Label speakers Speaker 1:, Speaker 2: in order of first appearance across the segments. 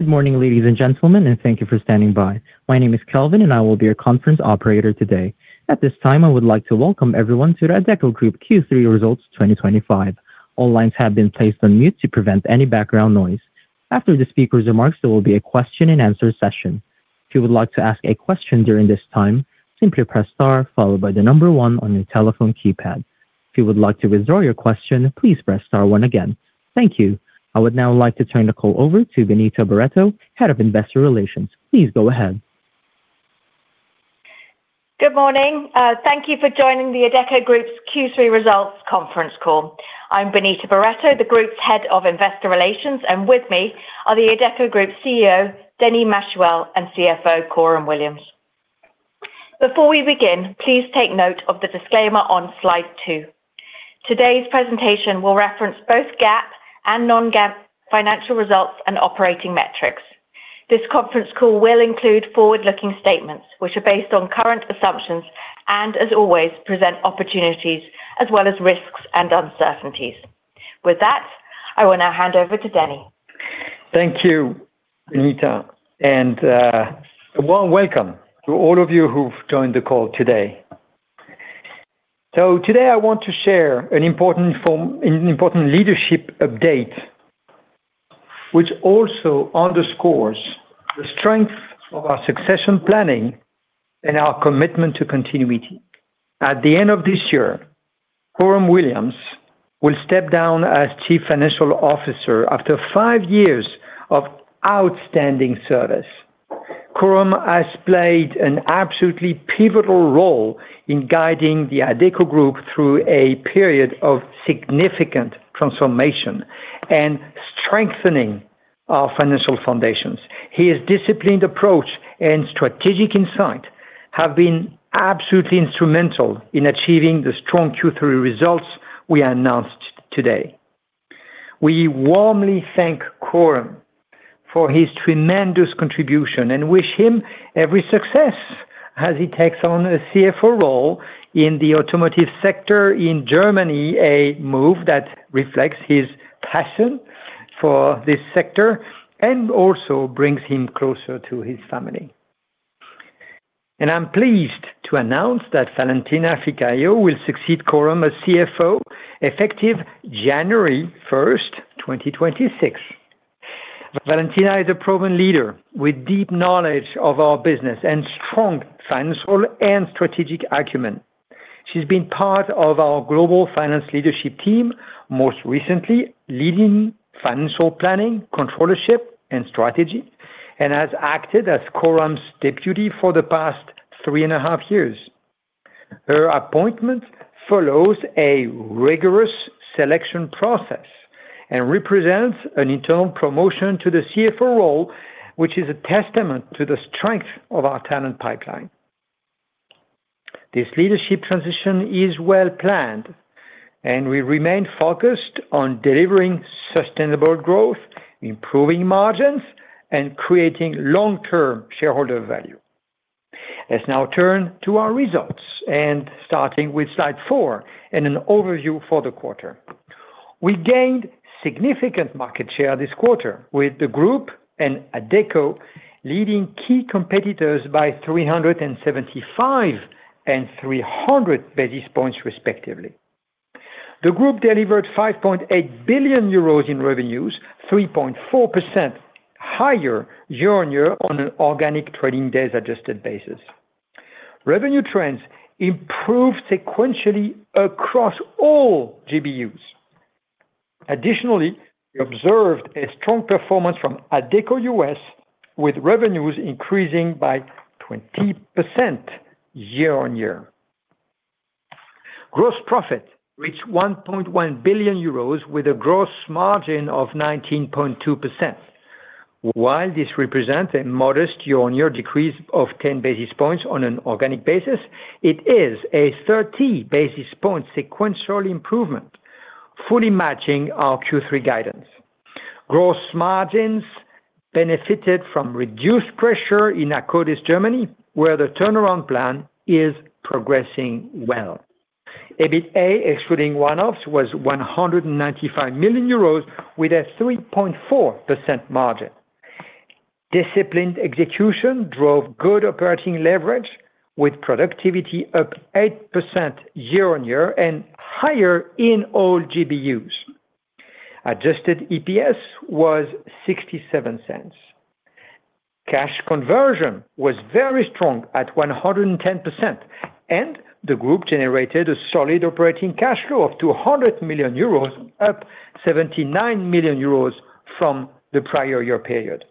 Speaker 1: Good morning, ladies and gentlemen, and thank you for standing by. My name is Kelvin, and I will be your conference operator today. At this time, I would like to welcome everyone to the Adecco Group Q3 results 2025. All lines have been placed on mute to prevent any background noise. After the speaker's remarks, there will be a question-and-answer session. If you would like to ask a question during this time, simply press star followed by the number one on your telephone keypad. If you would like to withdraw your question, please press star one again. Thank you. I would now like to turn the call over to Benita Barretto, Head of Investor Relations. Please go ahead.
Speaker 2: Good morning. Thank you for joining the Adecco Group's Q3 results conference call. I'm Benita Barretto, the Group's Head of Investor Relations, and with me are the Adecco Group CEO, Denis Machuel, and CFO, Coram Williams. Before we begin, please take note of the disclaimer on slide two. Today's presentation will reference both GAAP and non-GAAP financial results and operating metrics. This conference call will include forward-looking statements which are based on current assumptions and, as always, present opportunities as well as risks and uncertainties. With that, I will now hand over to Denis.
Speaker 3: Thank you, Benita, and a warm welcome to all of you who've joined the call today. Today, I want to share an important leadership update, which also underscores the strength of our succession planning and our commitment to continuity. At the end of this year, Coram Williams will step down as Chief Financial Officer after five years of outstanding service. Coram has played an absolutely pivotal role in guiding the Adecco Group through a period of significant transformation and strengthening our financial foundations. His disciplined approach and strategic insight have been absolutely instrumental in achieving the strong Q3 results we announced today. We warmly thank Coram for his tremendous contribution and wish him every success as he takes on a CFO role in the automotive sector in Germany, a move that reflects his passion for this sector and also brings him closer to his family. I'm pleased to announce that Valentina Ficai will succeed Coram as CFO effective January 1, 2026. Valentina is a proven leader with deep knowledge of our business and strong financial and strategic acumen. She's been part of our global finance leadership team, most recently leading financial planning, controllership, and strategy, and has acted as Coram's deputy for the past three and a half years. Her appointment follows a rigorous selection process and represents an internal promotion to the CFO role, which is a testament to the strength of our talent pipeline. This leadership transition is well planned, and we remain focused on delivering sustainable growth, improving margins, and creating long-term shareholder value. Let's now turn to our results, starting with slide four and an overview for the quarter. We gained significant market share this quarter with the Group and Adecco, leading key competitors by 375. Three hundred basis points, respectively. The Group delivered 5.8 billion euros in revenues, 3.4% higher year-on-year on an organic trading days-adjusted basis. Revenue trends improved sequentially across all GBUs. Additionally, we observed a strong performance from Adecco US, with revenues increasing by 20% year-on-year. Gross profit reached 1.1 billion euros, with a gross margin of 19.2%. While this represents a modest year-on-year decrease of 10 basis points on an organic basis, it is a 30 basis points sequential improvement, fully matching our Q3 guidance. Gross margins benefited from reduced pressure in Akkodis, Germany, where the turnaround plan is progressing well. EBITA, excluding one-offs, was 195 million euros, with a 3.4% margin. Disciplined execution drove good operating leverage, with productivity up 8% year-on-year and higher in all GBUs. Adjusted EPS was $0.67. Cash conversion was very strong at 110%, and the Group generated a solid operating cash flow of 200 million euros, up 79 million euros from the prior year period.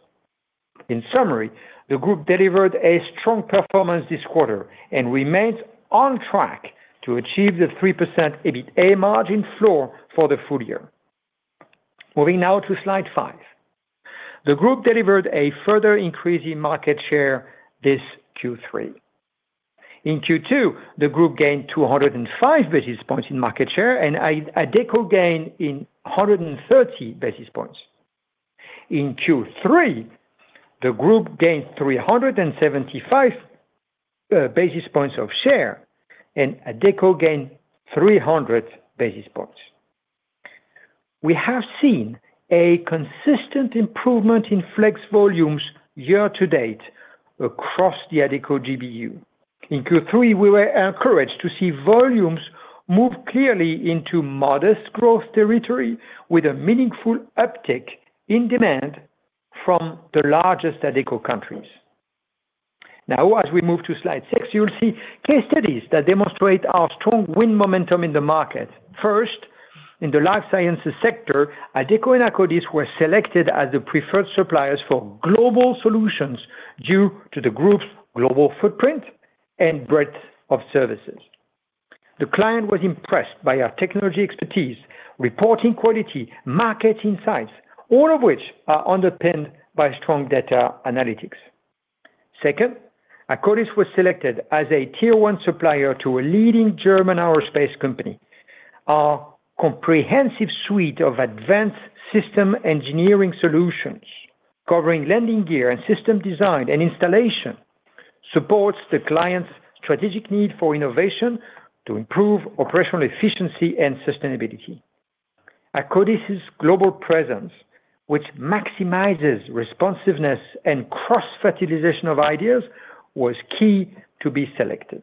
Speaker 3: In summary, the Group delivered a strong performance this quarter and remains on track to achieve the 3% EBITA margin floor for the full year. Moving now to slide five, the Group delivered a further increase in market share this Q3. In Q2, the Group gained 205 basis points in market share and Adecco gained 130 basis points. In Q3, the Group gained 375 basis points of share and Adecco gained 300 basis points. We have seen a consistent improvement in flex volumes year-to-date across the Adecco GBU. In Q3, we were encouraged to see volumes move clearly into modest growth territory with a meaningful uptick in demand from the largest Adecco countries. Now, as we move to slide six, you'll see case studies that demonstrate our strong win momentum in the market. First, in the life sciences sector, Adecco and Akkodis were selected as the preferred suppliers for global solutions due to the Group's global footprint and breadth of services. The client was impressed by our technology expertise, reporting quality, market insights, all of which are underpinned by strong data analytics. Second, Akkodis was selected as a tier-one supplier to a leading German aerospace company. Our comprehensive suite of advanced system engineering solutions, covering landing gear and system design and installation, supports the client's strategic need for innovation to improve operational efficiency and sustainability. Akkodis's global presence, which maximizes responsiveness and cross-fertilization of ideas, was key to be selected.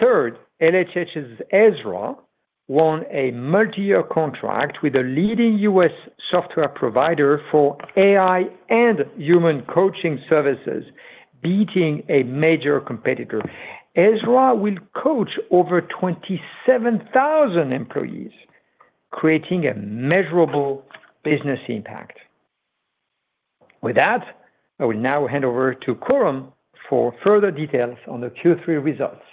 Speaker 3: Third, LHH's Ezra won a multi-year contract with a leading US software provider for AI and human coaching services, beating a major competitor. Ezra will coach over 27,000 employees, creating a measurable business impact. With that, I will now hand over to Coram for further details on the Q3 results.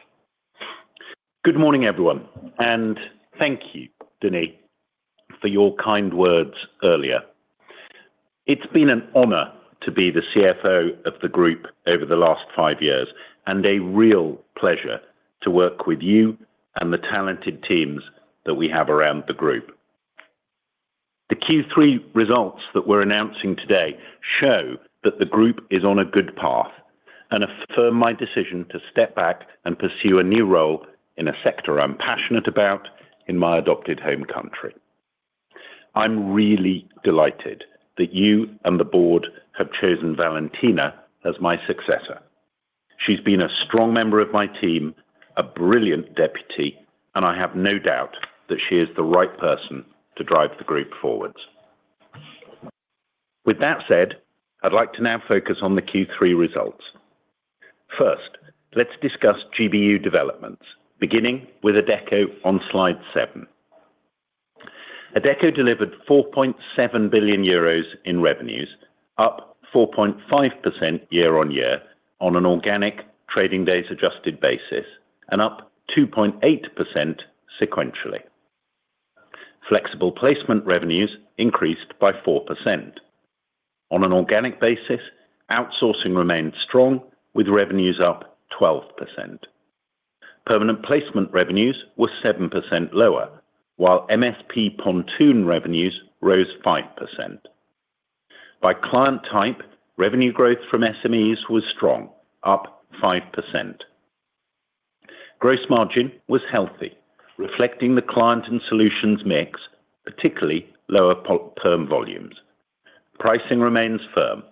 Speaker 4: Good morning, everyone, and thank you, Denis, for your kind words earlier. It's been an honor to be the CFO of the Group over the last five years and a real pleasure to work with you and the talented teams that we have around the Group. The Q3 results that we're announcing today show that the Group is on a good path and affirm my decision to step back and pursue a new role in a sector I'm passionate about in my adopted home country. I'm really delighted that you and the Board have chosen Valentina as my successor. She's been a strong member of my team, a brilliant deputy, and I have no doubt that she is the right person to drive the Group forward. With that said, I'd like to now focus on the Q3 results. First, let's discuss GBU developments, beginning with Adecco on slide seven. Adecco delivered 4.7 billion euros in revenues, up 4.5% year-on-year on an organic trading days-adjusted basis and up 2.8% sequentially. Flexible placement revenues increased by 4%. On an organic basis, outsourcing remained strong, with revenues up 12%. Permanent placement revenues were 7% lower, while MFP Pontoon revenues rose 5%. By client type, revenue growth from SMEs was strong, up 5%. Gross margin was healthy, reflecting the client and solutions mix, particularly lower firm volumes. Pricing remains firm.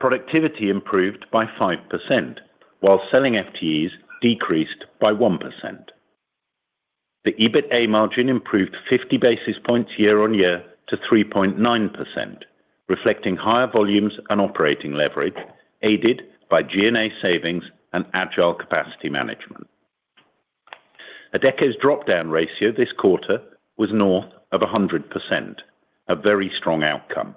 Speaker 4: Productivity improved by 5%, while selling FTEs decreased by 1%. The EBITA margin improved 50 basis points year-on-year to 3.9%, reflecting higher volumes and operating leverage, aided by G&A savings and agile capacity management. Adecco's drop-down ratio this quarter was north of 100%, a very strong outcome.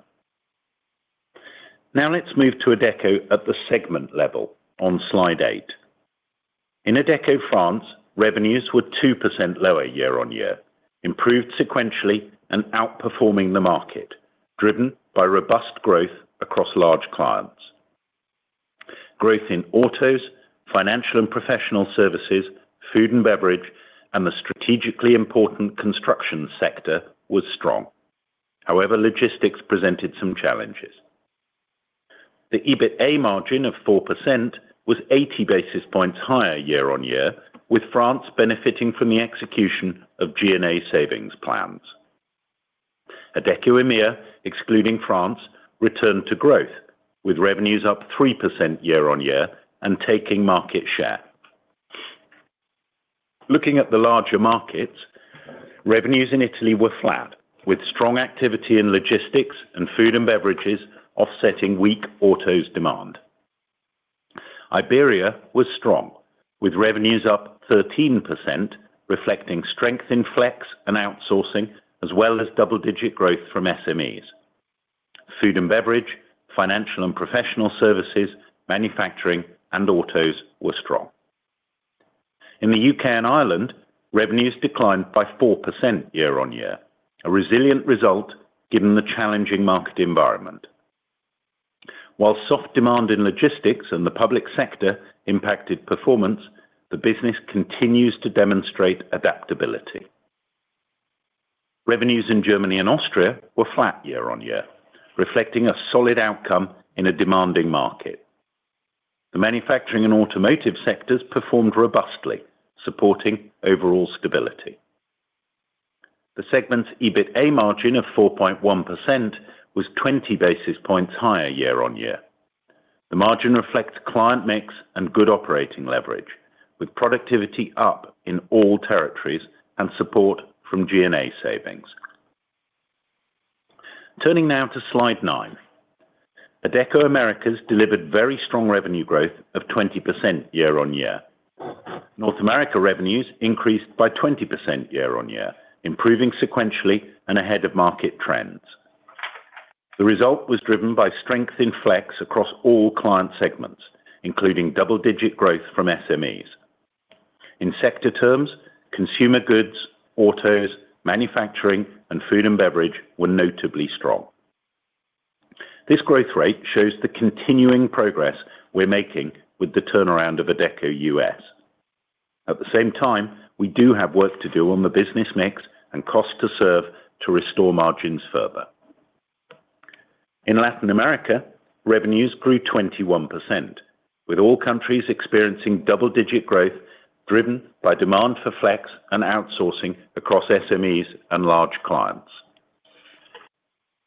Speaker 4: Now let's move to Adecco at the segment level on slide eight. In Adecco, France, revenues were 2% lower year-on-year, improved sequentially, and outperforming the market, driven by robust growth across large clients. Growth in autos, financial and professional services, food and beverage, and the strategically important construction sector was strong. However, logistics presented some challenges. The EBITA margin of 4% was 80 basis points higher year-on-year, with France benefiting from the execution of G&A savings plans. Adecco EMEA, excluding France, returned to growth, with revenues up 3% year-on-year and taking market share. Looking at the larger markets, revenues in Italy were flat, with strong activity in logistics and food and beverages offsetting weak autos demand. Iberia was strong, with revenues up 13%, reflecting strength in flex and outsourcing, as well as double-digit growth from SMEs. Food and beverage, financial and professional services, manufacturing, and autos were strong. In the U.K. and Ireland, revenues declined by 4% year-on-year, a resilient result given the challenging market environment. While soft demand in logistics and the public sector impacted performance, the business continues to demonstrate adaptability. Revenues in Germany and Austria were flat year-on-year, reflecting a solid outcome in a demanding market. The manufacturing and automotive sectors performed robustly, supporting overall stability. The segment's EBITA margin of 4.1% was 20 basis points higher year-on-year. The margin reflects client mix and good operating leverage, with productivity up in all territories and support from G&A savings. Turning now to slide nine. Adecco Americas delivered very strong revenue growth of 20% year-on-year. North America revenues increased by 20% year-on-year, improving sequentially and ahead of market trends. The result was driven by strength in flex across all client segments, including double-digit growth from SMEs. In sector terms, consumer goods, autos, manufacturing, and food and beverage were notably strong. This growth rate shows the continuing progress we're making with the turnaround of Adecco US. At the same time, we do have work to do on the business mix and cost to serve to restore margins further. In Latin America, revenues grew 21%, with all countries experiencing double-digit growth driven by demand for flex and outsourcing across SMEs and large clients.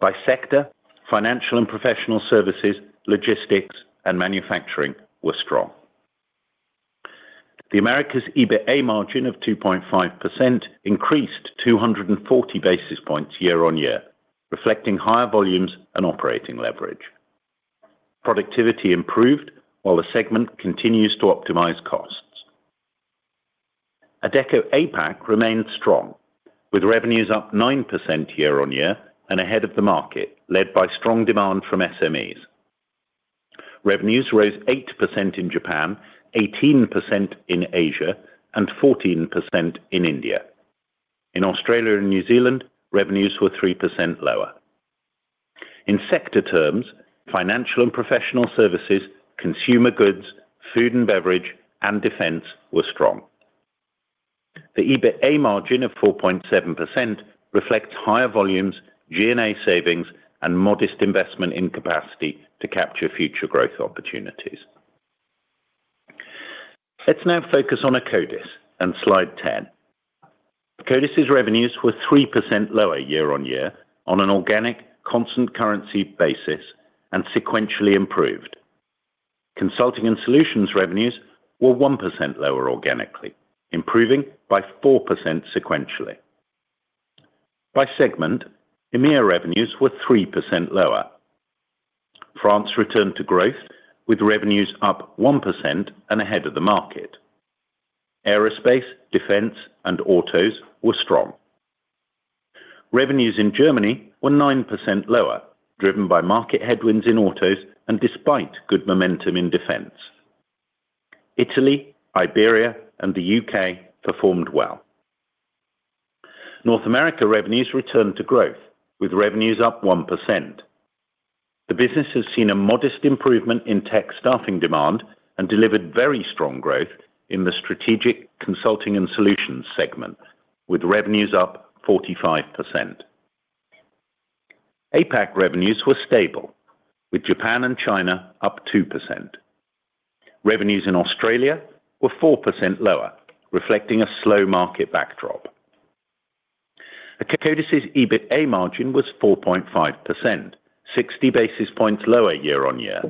Speaker 4: By sector, financial and professional services, logistics, and manufacturing were strong. The Americas' EBITA margin of 2.5% increased 240 basis points year-on-year, reflecting higher volumes and operating leverage. Productivity improved, while the segment continues to optimize costs. Adecco APAC remained strong, with revenues up 9% year-on-year and ahead of the market, led by strong demand from SMEs. Revenues rose 8% in Japan, 18% in Asia, and 14% in India. In Australia and New Zealand, revenues were 3% lower. In sector terms, financial and professional services, consumer goods, food and beverage, and defense were strong. The EBITA margin of 4.7% reflects higher volumes, G&A savings, and modest investment in capacity to capture future growth opportunities. Let's now focus on Akkodis and slide ten. Akkodis's revenues were 3% lower year-on-year on an organic constant currency basis and sequentially improved. Consulting and solutions revenues were 1% lower organically, improving by 4% sequentially. By segment, EMEA revenues were 3% lower. France returned to growth, with revenues up 1% and ahead of the market. Aerospace, defense, and autos were strong. Revenues in Germany were 9% lower, driven by market headwinds in autos and despite good momentum in defense. Italy, Iberia, and the U.K. performed well. North America revenues returned to growth, with revenues up 1%. The business has seen a modest improvement in tech staffing demand and delivered very strong growth in the strategic consulting and solutions segment, with revenues up 45%. APAC revenues were stable, with Japan and China up 2%. Revenues in Australia were 4% lower, reflecting a slow market backdrop. Akkodis's EBITA margin was 4.5%, 60 basis points lower year-on-year.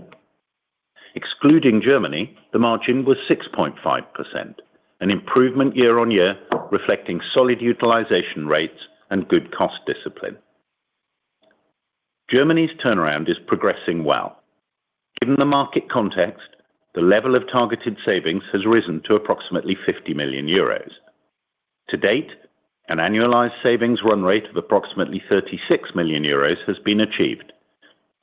Speaker 4: Excluding Germany, the margin was 6.5%, an improvement year-on-year reflecting solid utilization rates and good cost discipline. Germany's turnaround is progressing well. Given the market context, the level of targeted savings has risen to approximately 50 million euros. To date, an annualized savings run rate of approximately 36 million euros has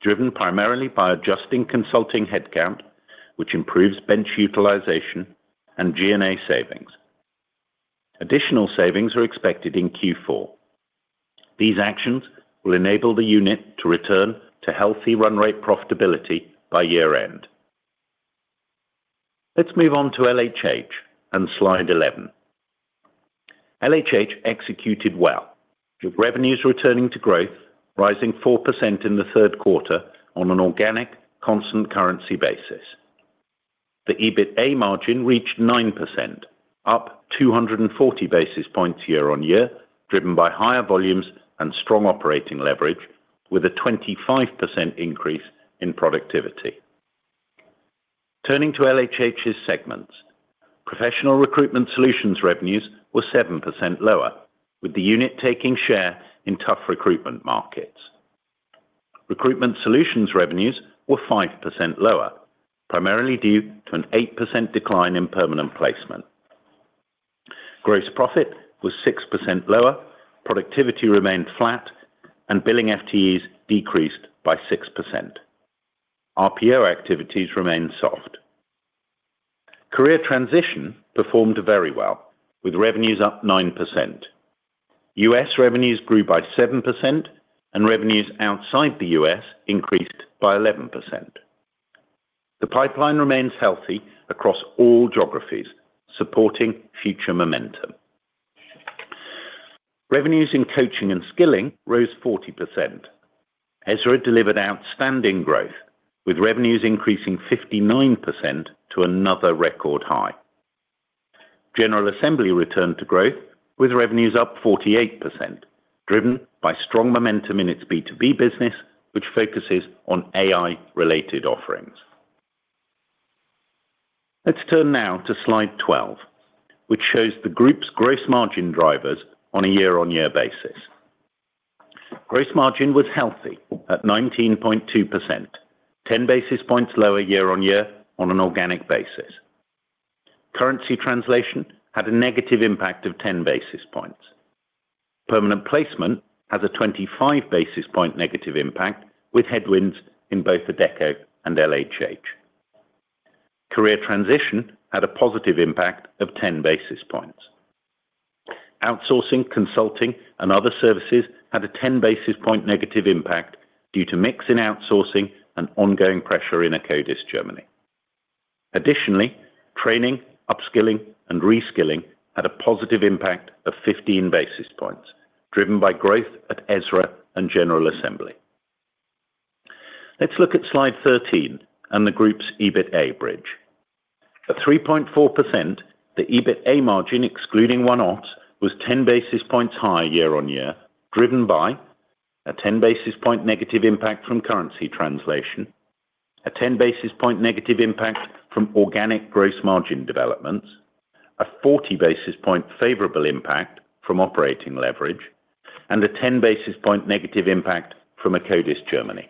Speaker 4: been achieved, driven primarily by adjusting consulting headcount, which improves bench utilization and G&A savings. Additional savings are expected in Q4. These actions will enable the unit to return to healthy run rate profitability by year-end. Let's move on to LHH and slide eleven. LHH executed well, with revenues returning to growth, rising 4% in the third quarter on an organic constant currency basis. The EBITA margin reached 9%, up 240 basis points year-on-year, driven by higher volumes and strong operating leverage, with a 25% increase in productivity. Turning to LHH's segments, professional recruitment solutions revenues were 7% lower, with the unit taking share in tough recruitment markets. Recruitment solutions revenues were 5% lower, primarily due to an 8% decline in permanent placement. Gross profit was 6% lower, productivity remained flat, and billing FTEs decreased by 6%. RPO activities remained soft. Career transition performed very well, with revenues up 9%. US revenues grew by 7%, and revenues outside the US increased by 11%. The pipeline remains healthy across all geographies, supporting future momentum. Revenues in coaching and skilling rose 40%. Ezra delivered outstanding growth, with revenues increasing 59% to another record high. General Assembly returned to growth, with revenues up 48%, driven by strong momentum in its B2B business, which focuses on AI-related offerings. Let's turn now to slide twelve, which shows the Group's gross margin drivers on a year-on-year basis. Gross margin was healthy at 19.2%, 10 basis points lower year-on-year on an organic basis. Currency translation had a negative impact of 10 basis points. Permanent placement has a 25 basis point negative impact, with headwinds in both Adecco and LHH. Career transition had a positive impact of 10 basis points. Outsourcing, consulting, and other services had a 10 basis point negative impact due to mix in outsourcing and ongoing pressure in Akkodis Germany. Additionally, training, upskilling, and reskilling had a positive impact of 15 basis points, driven by growth at Ezra and General Assembly. Let's look at slide thirteen and the Group's EBITA bridge. At 3.4%, the EBITA margin, excluding one-offs, was 10 basis points higher year-on-year, driven by a 10 basis point negative impact from currency translation, a 10 basis point negative impact from organic gross margin developments, a 40 basis point favorable impact from operating leverage, and a 10 basis point negative impact from Akkodis Germany.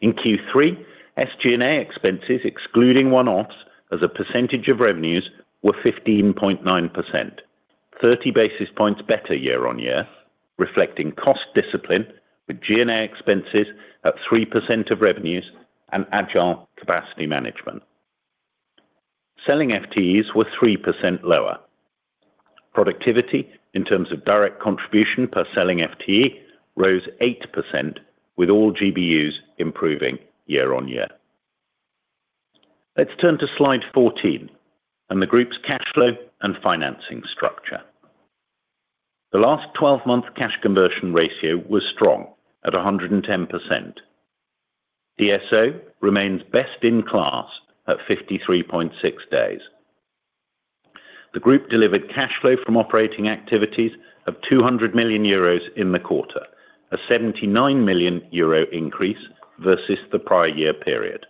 Speaker 4: In Q3, SG&A expenses, excluding one-offs, as a percentage of revenues, were 15.9%, 30 basis points better year-on-year, reflecting cost discipline, with G&A expenses at 3% of revenues and agile capacity management. Selling FTEs were 3% lower. Productivity, in terms of direct contribution per selling FTE, rose 8%, with all GBUs improving year-on-year. Let's turn to slide fourteen and the Group's cash flow and financing structure. The last 12-month cash conversion ratio was strong at 110%. DSO remains best in class at 53.6 days. The Group delivered cash flow from operating activities of 200 million euros in the quarter, a 79 million euro increase versus the prior year period.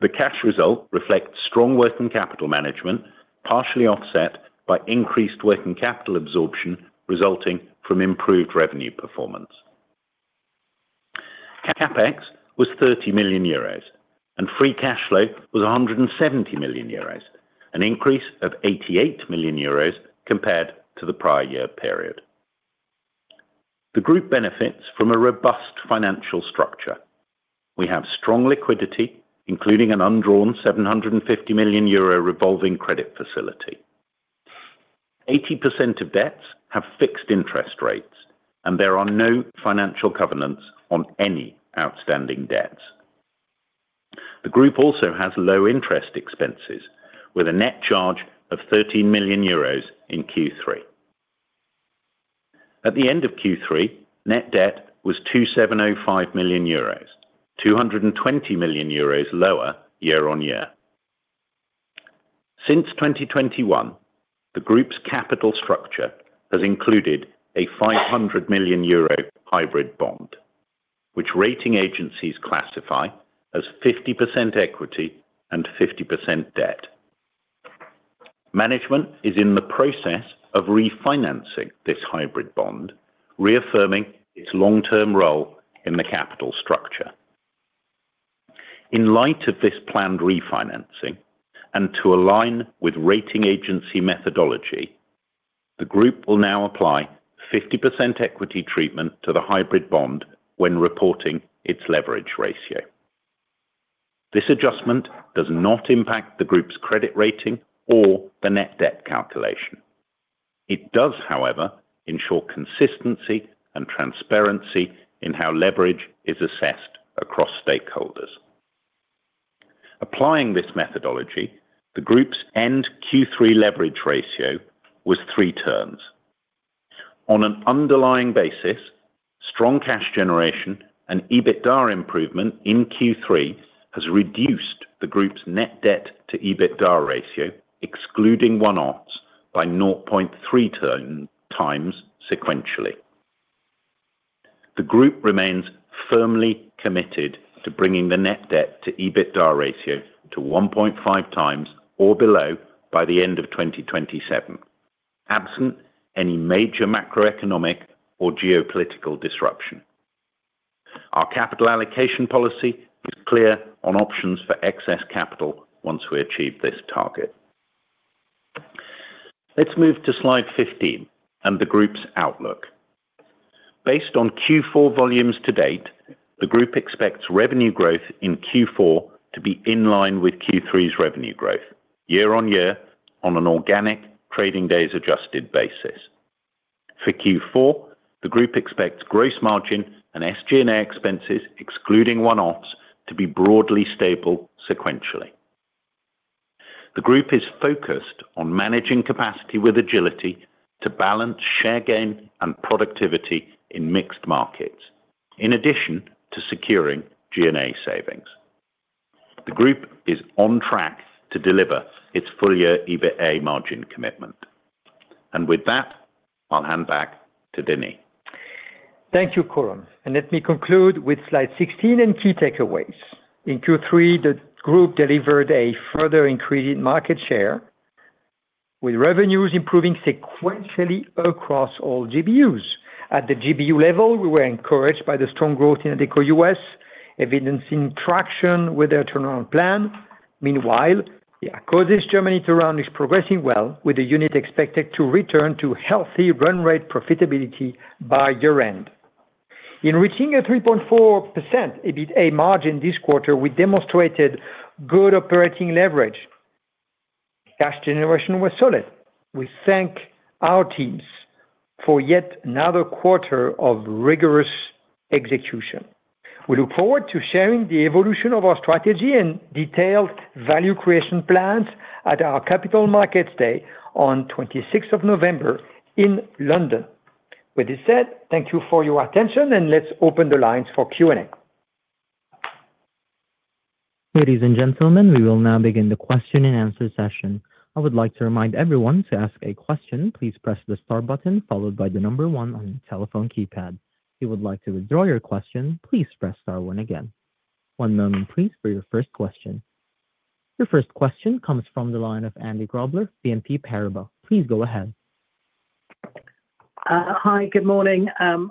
Speaker 4: The cash result reflects strong working capital management, partially offset by increased working capital absorption resulting from improved revenue performance. CapEx was 30 million euros, and free cash flow was 170 million euros, an increase of 88 million euros compared to the prior year period. The Group benefits from a robust financial structure. We have strong liquidity, including an undrawn 750 million euro revolving credit facility. 80% of debts have fixed interest rates, and there are no financial covenants on any outstanding debts. The Group also has low interest expenses, with a net charge of 13 million euros in Q3. At the end of Q3, net debt was 275 million euros, 220 million euros lower year-on-year. Since 2021, the Group's capital structure has included a 500 million euro hybrid bond, which rating agencies classify as 50% equity and 50% debt. Management is in the process of refinancing this hybrid bond, reaffirming its long-term role in the capital structure. In light of this planned refinancing and to align with rating agency methodology, the Group will now apply 50% equity treatment to the hybrid bond when reporting its leverage ratio. This adjustment does not impact the Group's credit rating or the net debt calculation. It does, however, ensure consistency and transparency in how leverage is assessed across stakeholders. Applying this methodology, the Group's end Q3 leverage ratio was three turns. On an underlying basis, strong cash generation and EBITDA improvement in Q3 has reduced the Group's net debt to EBITDA ratio, excluding one-offs, by 0.3 times sequentially. The Group remains firmly committed to bringing the net debt to EBITDA ratio to 1.5 times or below by the end of 2027, absent any major macroeconomic or geopolitical disruption. Our capital allocation policy is clear on options for excess capital once we achieve this target. Let's move to slide fifteen and the Group's outlook. Based on Q4 volumes to date, the Group expects revenue growth in Q4 to be in line with Q3's revenue growth, year-on-year, on an organic trading days adjusted basis. For Q4, the Group expects gross margin and SG&A expenses, excluding one-offs, to be broadly stable sequentially. The Group is focused on managing capacity with agility to balance share gain and productivity in mixed markets, in addition to securing G&A savings. The Group is on track to deliver its full-year EBITA margin commitment. With that, I'll hand back to Denis.
Speaker 3: Thank you, Coram. Let me conclude with slide sixteen and key takeaways. In Q3, the Group delivered a further increase in market share, with revenues improving sequentially across all GBUs. At the GBU level, we were encouraged by the strong growth in Adecco US, evidencing traction with their turnaround plan. Meanwhile, the Akkodis Germany turnaround is progressing well, with the unit expected to return to healthy run rate profitability by year-end. In reaching a 3.4% EBITA margin this quarter, we demonstrated good operating leverage. Cash generation was solid. We thank our teams for yet another quarter of rigorous execution. We look forward to sharing the evolution of our strategy and detailed value creation plans at our Capital Markets Day on 26th of November in London. With this said, thank you for your attention, and let's open the lines for Q&A.
Speaker 1: Ladies and gentlemen, we will now begin the question and answer session. I would like to remind everyone to ask a question. Please press the star button followed by the number one on the telephone keypad. If you would like to withdraw your question, please press star one again. One moment, please, for your first question. Your first question comes from the line of Andy Grobler, BNP Paribas. Please go ahead.
Speaker 5: Hi, good morning. I've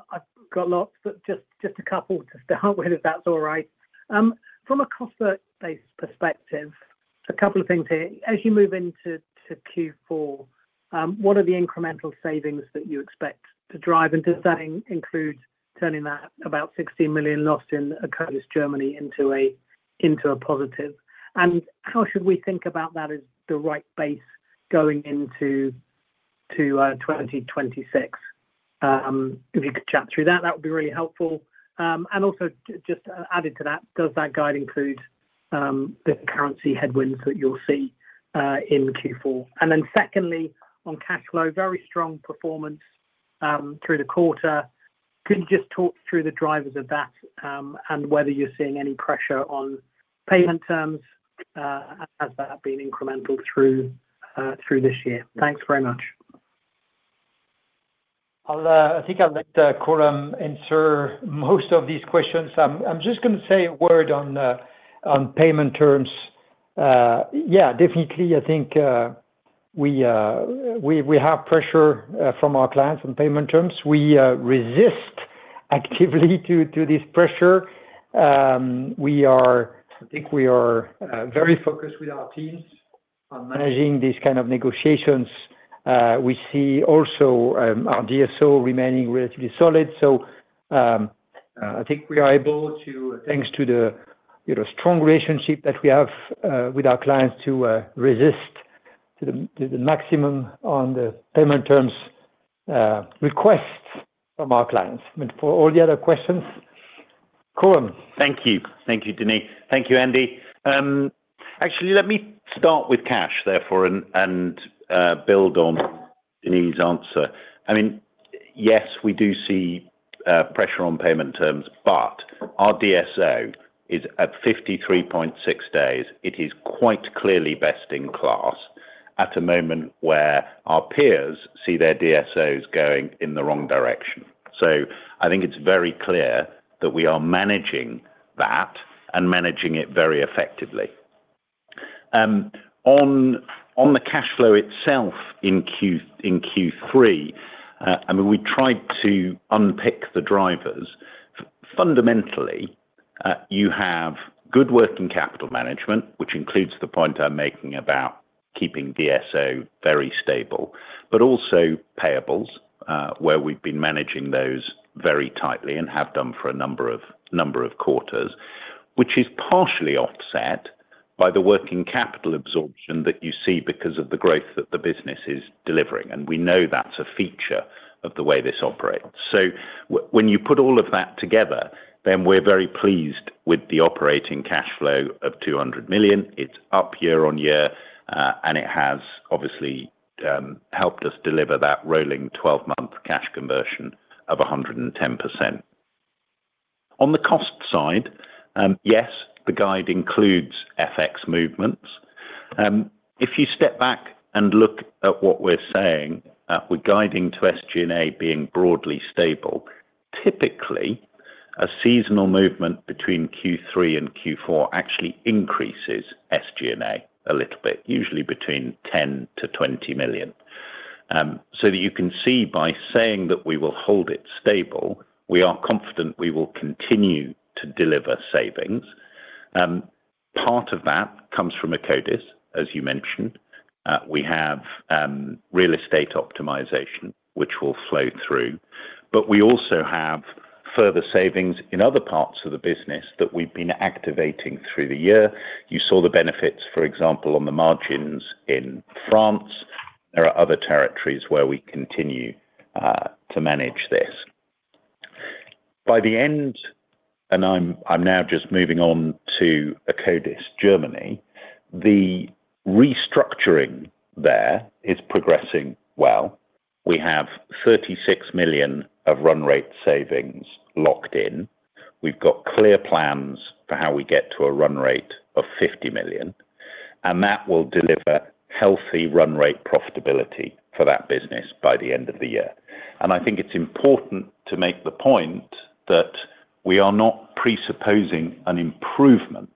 Speaker 5: got lots, but just a couple to start with, if that's all right. From a cost-based perspective, a couple of things here. As you move into Q4, what are the incremental savings that you expect to drive? Does that include turning that about 16 million lost in Akkodis Germany into a positive? How should we think about that as the right base going into 2026? If you could chat through that, that would be really helpful. Also, just added to that, does that guide include the currency headwinds that you'll see in Q4? Secondly, on cash flow, very strong performance through the quarter. Could you just talk through the drivers of that and whether you're seeing any pressure on payment terms? Has that been incremental through this year? Thanks very much.
Speaker 3: I think I'll let Coram answer most of these questions. I'm just going to say a word on payment terms. Yeah, definitely, I think we have pressure from our clients on payment terms. We resist actively to this pressure. I think we are very focused with our teams on managing these kinds of negotiations. We see also our DSO remaining relatively solid. I think we are able to, thanks to the strong relationship that we have with our clients, resist to the maximum on the payment terms requests from our clients. For all the other questions, Coram.
Speaker 4: Thank you. Thank you, Denis. Thank you, Andy. Actually, let me start with cash, therefore, and build on Denis's answer. I mean, yes, we do see pressure on payment terms, but our DSO is at 53.6 days. It is quite clearly best in class at a moment where our peers see their DSOs going in the wrong direction. I think it is very clear that we are managing that and managing it very effectively. On the cash flow itself in Q3, I mean, we tried to unpick the drivers. Fundamentally, you have good working capital management, which includes the point I am making about keeping DSO very stable, but also payables, where we have been managing those very tightly and have done for a number of quarters, which is partially offset by the working capital absorption that you see because of the growth that the business is delivering. We know that's a feature of the way this operates. When you put all of that together, we are very pleased with the operating cash flow of 200 million. It's up year-on-year, and it has obviously helped us deliver that rolling 12-month cash conversion of 110%. On the cost side, yes, the guide includes FX movements. If you step back and look at what we're saying, we're guiding to SG&A being broadly stable. Typically, a seasonal movement between Q3 and Q4 actually increases SG&A a little bit, usually between 10-20 million. You can see by saying that we will hold it stable, we are confident we will continue to deliver savings. Part of that comes from Akkodis, as you mentioned. We have. Real estate optimization, which will flow through. We also have further savings in other parts of the business that we have been activating through the year. You saw the benefits, for example, on the margins in France. There are other territories where we continue to manage this. By the end, and I am now just moving on to Akkodis Germany, the restructuring there is progressing well. We have 36 million of run rate savings locked in. We have clear plans for how we get to a run rate of 50 million. That will deliver healthy run rate profitability for that business by the end of the year. I think it is important to make the point that we are not presupposing an improvement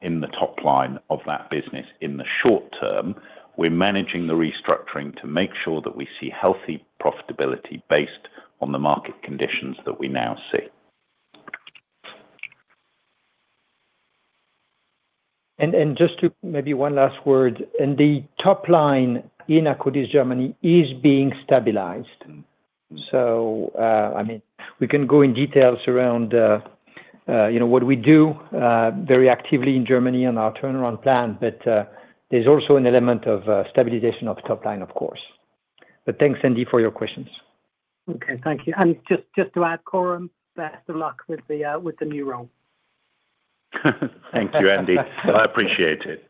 Speaker 4: in the top line of that business in the short term. We're managing the restructuring to make sure that we see healthy profitability based on the market conditions that we now see.
Speaker 3: Maybe one last word. The top line in Akkodis Germany is being stabilized. I mean, we can go in details around what we do very actively in Germany on our turnaround plan, but there's also an element of stabilization of top line, of course. Thanks, Andy, for your questions.
Speaker 5: Thank you. Just to add, Coram, best of luck with the new role.
Speaker 4: Thank you, Andy. I appreciate it.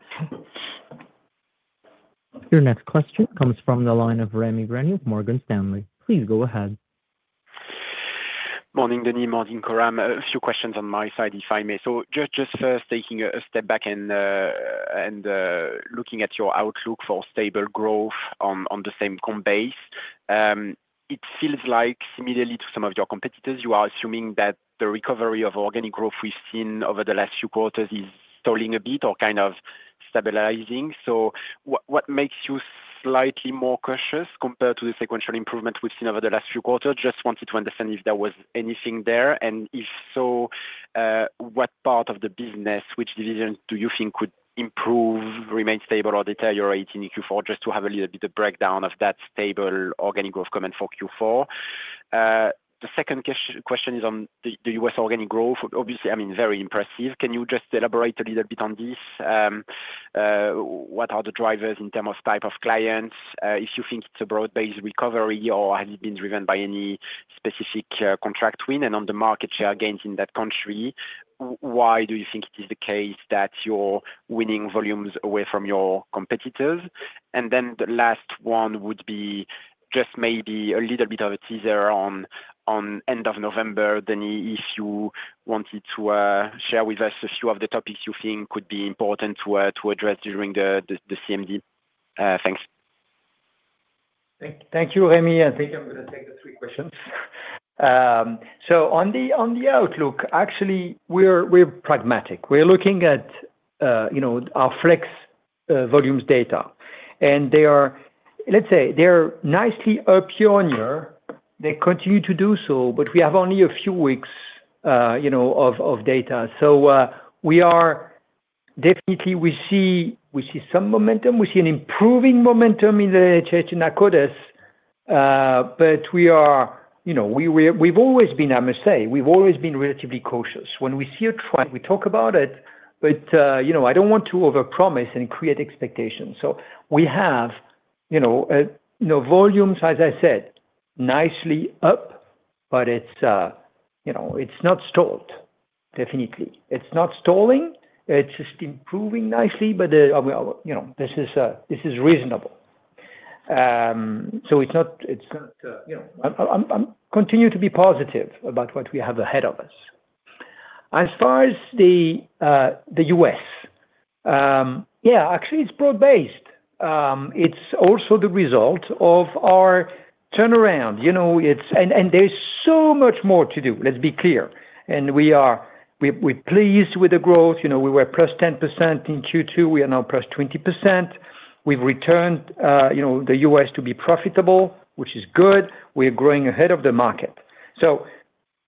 Speaker 1: Your next question comes from the line of Rémi Grenu of Morgan Stanley. Please go ahead.
Speaker 6: Morning, Denis. Morning, Coram. A few questions on my side, if I may. First, taking a step back and looking at your outlook for stable growth on the same com base. It feels like, similarly to some of your competitors, you are assuming that the recovery of organic growth we've seen over the last few quarters is stalling a bit or kind of stabilizing. What makes you slightly more cautious compared to the sequential improvement we've seen over the last few quarters? I just wanted to understand if there was anything there. If so, what part of the business, which divisions do you think could improve, remain stable, or deteriorate in Q4? Just to have a little bit of breakdown of that stable organic growth comment for Q4. The second question is on the US organic growth. Obviously, I mean, very impressive. Can you just elaborate a little bit on this? What are the drivers in terms of type of clients? If you think it is a broad-based recovery or has it been driven by any specific contract win and on the market share gains in that country, why do you think it is the case that you are winning volumes away from your competitors? The last one would be just maybe a little bit of a teaser on end of November, Denis, if you wanted to share with us a few of the topics you think could be important to address during the CMD. Thanks.
Speaker 3: Thank you, Rémi. I think I am going to take the three questions. On the outlook, actually, we are pragmatic. We are looking at our flex volumes data. Let us say they are nicely up year on year. They continue to do so, but we have only a few weeks of data. We are definitely, we see some momentum. We see an improving momentum in Akkodis. We have always been, I must say, we have always been relatively cautious. When we see a trend, we talk about it, but I do not want to overpromise and create expectations. We have volumes, as I said, nicely up, but it is not stalled, definitely. It is not stalling. It is just improving nicely, but this is reasonable. It is not. I am continuing to be positive about what we have ahead of us. As far as the U.S., yeah, actually, it is broad-based. It is also the result of our turnaround. There is so much more to do, let us be clear. We are pleased with the growth. We were plus 10% in Q2. We are now plus 20%. We have returned the U.S. to be profitable, which is good. We are growing ahead of the market.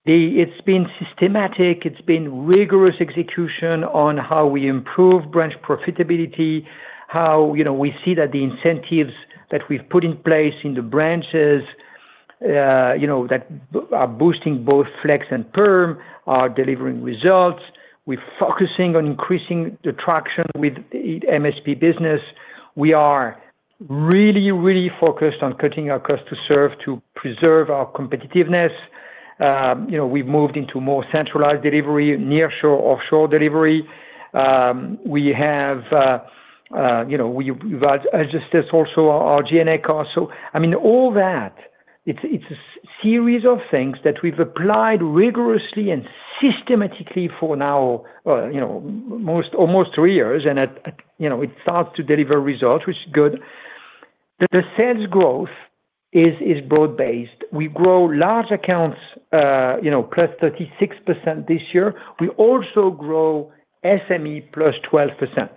Speaker 3: It has been systematic. It's been rigorous execution on how we improve branch profitability, how we see that the incentives that we've put in place in the branches that are boosting both flex and perm are delivering results. We're focusing on increasing the traction with MSP business. We are really, really focused on cutting our cost to serve to preserve our competitiveness. We've moved into more centralized delivery, nearshore, offshore delivery. We have adjusted also our G&A costs. So, I mean, all that. It's a series of things that we've applied rigorously and systematically for now almost three years. And it starts to deliver results, which is good. The sales growth is broad-based. We grow large accounts, plus 36% this year. We also grow SME, plus 12%.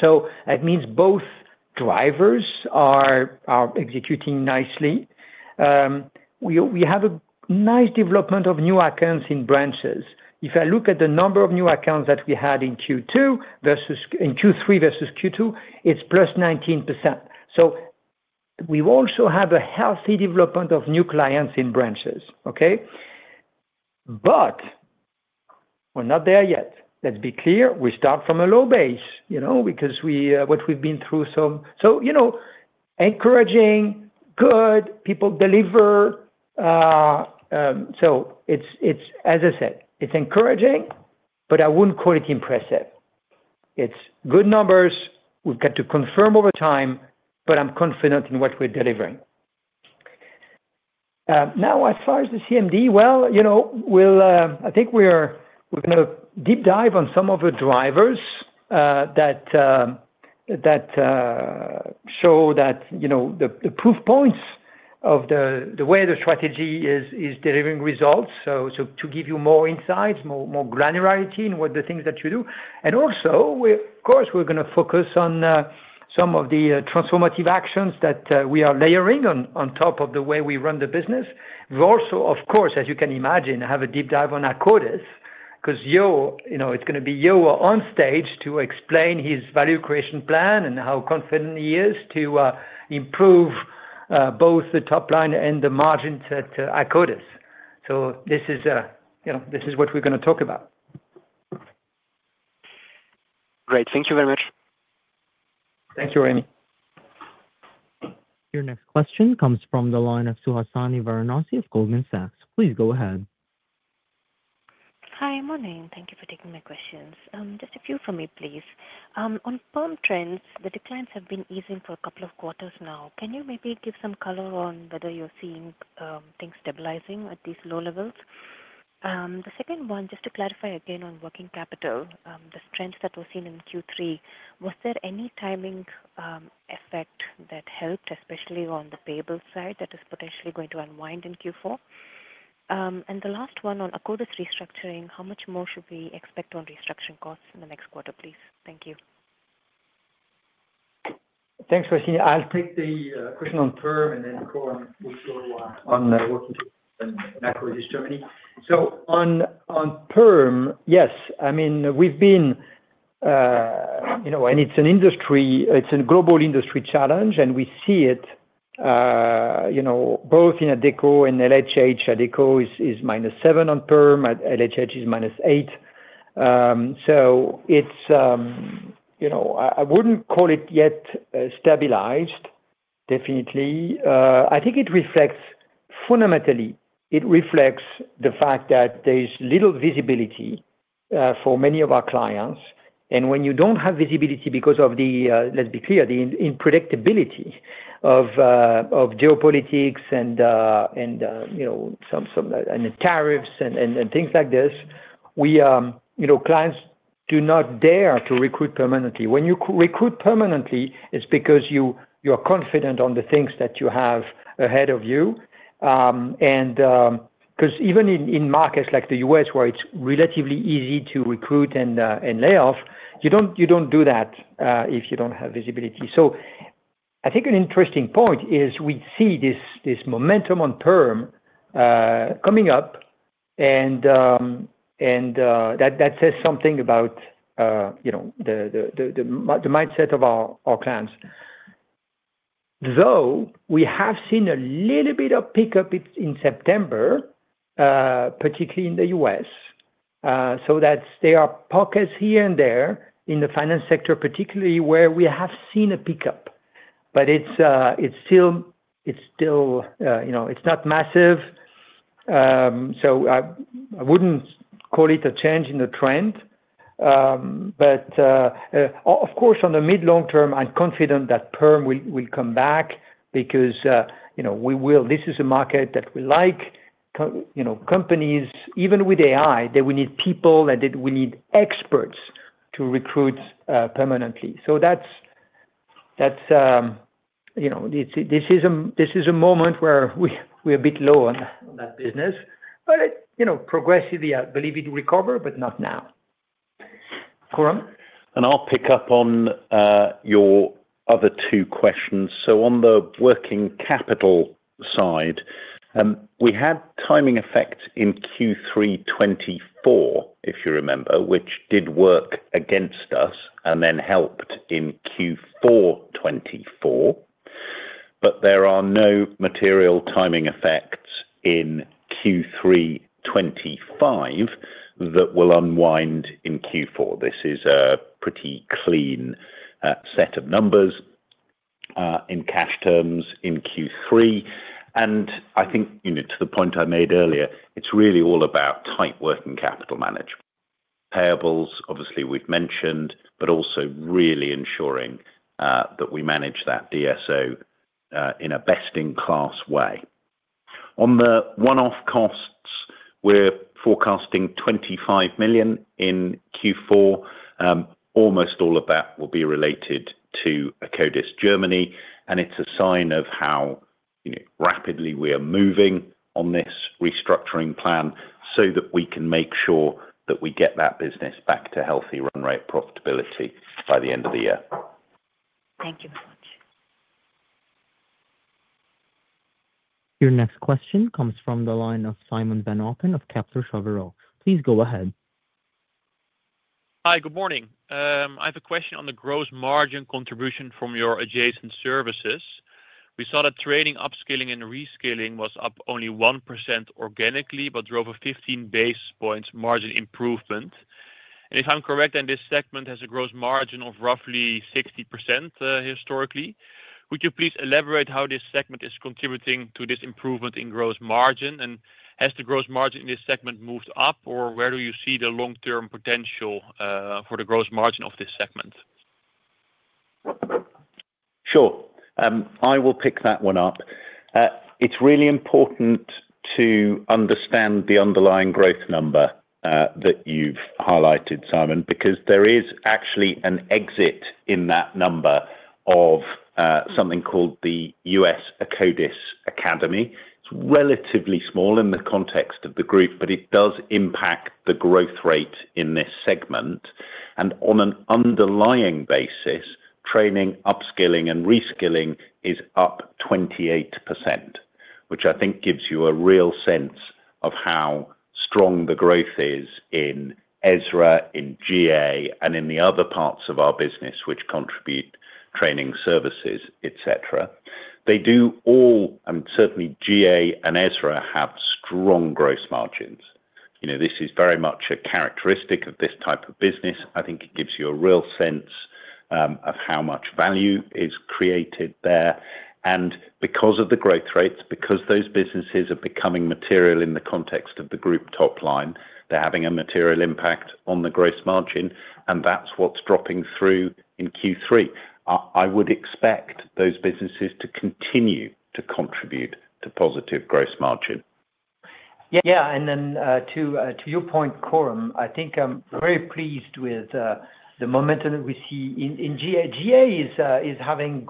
Speaker 3: So that means both drivers are executing nicely. We have a nice development of new accounts in branches. If I look at the number of new accounts that we had in Q3 versus Q2, it's plus 19%. We also have a healthy development of new clients in branches, okay? We're not there yet. Let's be clear. We start from a low base because what we've been through. Encouraging, good, people deliver. As I said, it's encouraging, but I wouldn't call it impressive. It's good numbers. We've got to confirm over time, but I'm confident in what we're delivering. Now, as far as the CMD, I think we're going to deep dive on some of the drivers that show that, the proof points of the way the strategy is delivering results. To give you more insights, more granularity in what the things that you do. And also, of course, we're going to focus on. Some of the transformative actions that we are layering on top of the way we run the business. We also, of course, as you can imagine, have a deep dive on Akkodis because it is going to be Yoko on stage to explain his value creation plan and how confident he is to improve both the top line and the margins at Akkodis. This is what we are going to talk about.
Speaker 6: Great. Thank you very much.
Speaker 4: Thank you, Rémi.
Speaker 1: Your next question comes from the line of Suhasini Sudhakaran of Goldman Sachs. Please go ahead.
Speaker 7: Hi, morning. Thank you for taking my questions. Just a few for me, please. On perm trends, the declines have been easing for a couple of quarters now. Can you maybe give some color on whether you are seeing things stabilizing at these low levels? The second one, just to clarify again on working capital, the strengths that were seen in Q3, was there any timing effect that helped, especially on the payable side that is potentially going to unwind in Q4? The last one on Akkodis restructuring, how much more should we expect on restructuring costs in the next quarter, please? Thank you.
Speaker 3: Thanks, Suhasini. I'll take the question on perm and then Coram will go on working in Akkodis Germany. On perm, yes. I mean, we've been, and it's an industry, it's a global industry challenge, and we see it both in Adecco and LHH. Adecco is minus 7% on perm. LHH is minus 8%. I would not call it yet stabilized, definitely. I think it reflects fundamentally, it reflects the fact that there's little visibility for many of our clients. When you do not have visibility because of the, let's be clear, the unpredictability of geopolitics and some tariffs and things like this, clients do not dare to recruit permanently. When you recruit permanently, it is because you are confident on the things that you have ahead of you. Because even in markets like the U.S., where it is relatively easy to recruit and lay off, you do not do that if you do not have visibility. I think an interesting point is we see this momentum on perm coming up. That says something about the mindset of our clients. Though we have seen a little bit of pickup in September, particularly in the U.S., there are pockets here and there in the finance sector, particularly where we have seen a pickup. It is still not massive. I would not call it a change in the trend. Of course, on the mid-long term, I'm confident that perm will come back because we will. This is a market that we like. Companies, even with AI, that we need people and that we need experts to recruit permanently. This is a moment where we're a bit low on that business. Progressively, I believe it will recover, but not now. Coram?
Speaker 4: I'll pick up on your other two questions. On the working capital side, we had timing effects in Q3 2024, if you remember, which did work against us and then helped in Q4 2024. There are no material timing effects in Q3 2025 that will unwind in Q4. This is a pretty clean set of numbers in cash terms in Q3. I think to the point I made earlier, it's really all about tight working capital management. Payables, obviously, we've mentioned, but also really ensuring that we manage that DSO in a best-in-class way. On the one-off costs, we're forecasting 25 million in Q4. Almost all of that will be related to Akkodis Germany. It is a sign of how rapidly we are moving on this restructuring plan so that we can make sure that we get that business back to healthy run rate profitability by the end of the year.
Speaker 7: Thank you very much.
Speaker 1: Your next question comes from the line of Simon Van Oppen of Kepler Cheuvreux. Please go ahead.
Speaker 8: Hi, good morning. I have a question on the gross margin contribution from your adjacent services. We saw that training, upskilling, and reskilling was up only 1% organically but drove a 15 basis point margin improvement. If I'm correct, then this segment has a gross margin of roughly 60% historically. Would you please elaborate how this segment is contributing to this improvement in gross margin? Has the gross margin in this segment moved up, or where do you see the long-term potential for the gross margin of this segment?
Speaker 4: Sure. I will pick that one up. It is really important to understand the underlying growth number that you have highlighted, Simon, because there is actually an exit in that number of something called the US Akkodis Academy. It is relatively small in the context of the group, but it does impact the growth rate in this segment. On an underlying basis, training, upskilling, and reskilling is up 28%, which I think gives you a real sense of how strong the growth is in Ezra, in GA, and in the other parts of our business, which contribute training services, etc. They do all, and certainly GA and Ezra have strong gross margins. This is very much a characteristic of this type of business. I think it gives you a real sense of how much value is created there. Because of the growth rates, because those businesses are becoming material in the context of the group top line, they are having a material impact on the gross margin, and that is what is dropping through in Q3. I would expect those businesses to continue to contribute to positive gross margin.
Speaker 3: Yeah. To your point, Coram, I think I am very pleased with the momentum that we see in GA. GA is having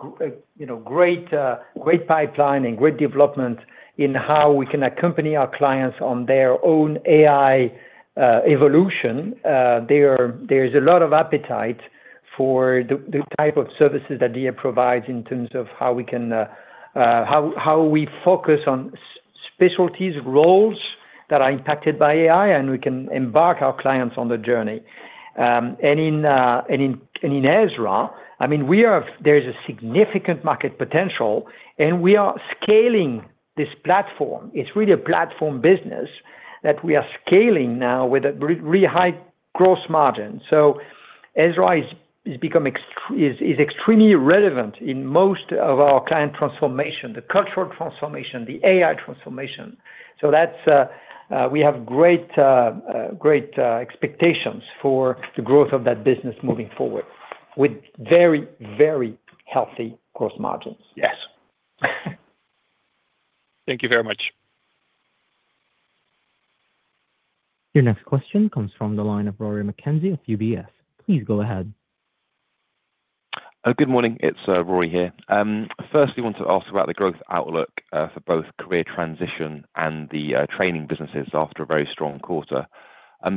Speaker 3: great pipeline and great development in how we can accompany our clients on their own AI evolution. There is a lot of appetite for the type of services that GA provides in terms of how we focus on. Specialties, roles that are impacted by AI, and we can embark our clients on the journey. In Ezra, I mean, there is a significant market potential, and we are scaling this platform. It is really a platform business that we are scaling now with a really high gross margin. Ezra has become extremely relevant in most of our client transformation, the cultural transformation, the AI transformation. We have great expectations for the growth of that business moving forward with very, very healthy gross margins. Yes.
Speaker 8: Thank you very much.
Speaker 1: Your next question comes from the line of Rory McKenzie of UBS. Please go ahead.
Speaker 9: Good morning. It is Rory here. First, we want to ask about the growth outlook for both career transition and the training businesses after a very strong quarter.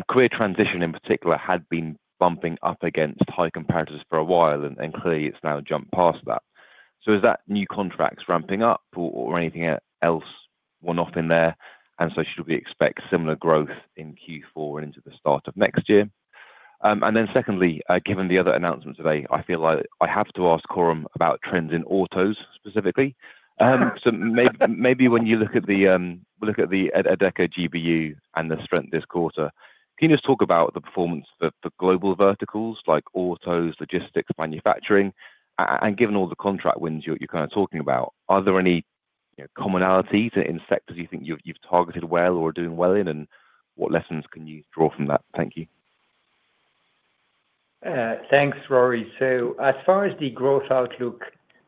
Speaker 9: Career transition, in particular, had been bumping up against high competitors for a while, and clearly, it's now jumped past that. Is that new contracts ramping up or anything else one-off in there? Should we expect similar growth in Q4 and into the start of next year? Secondly, given the other announcements today, I feel like I have to ask Coram about trends in autos specifically. When you look at the Adecco GBU and the strength this quarter, can you just talk about the performance of the global verticals like autos, logistics, manufacturing? Given all the contract wins you're kind of talking about, are there any commonalities in sectors you think you've targeted well or are doing well in? What lessons can you draw from that? Thank you.
Speaker 3: Thanks, Rory. As far as the growth outlook,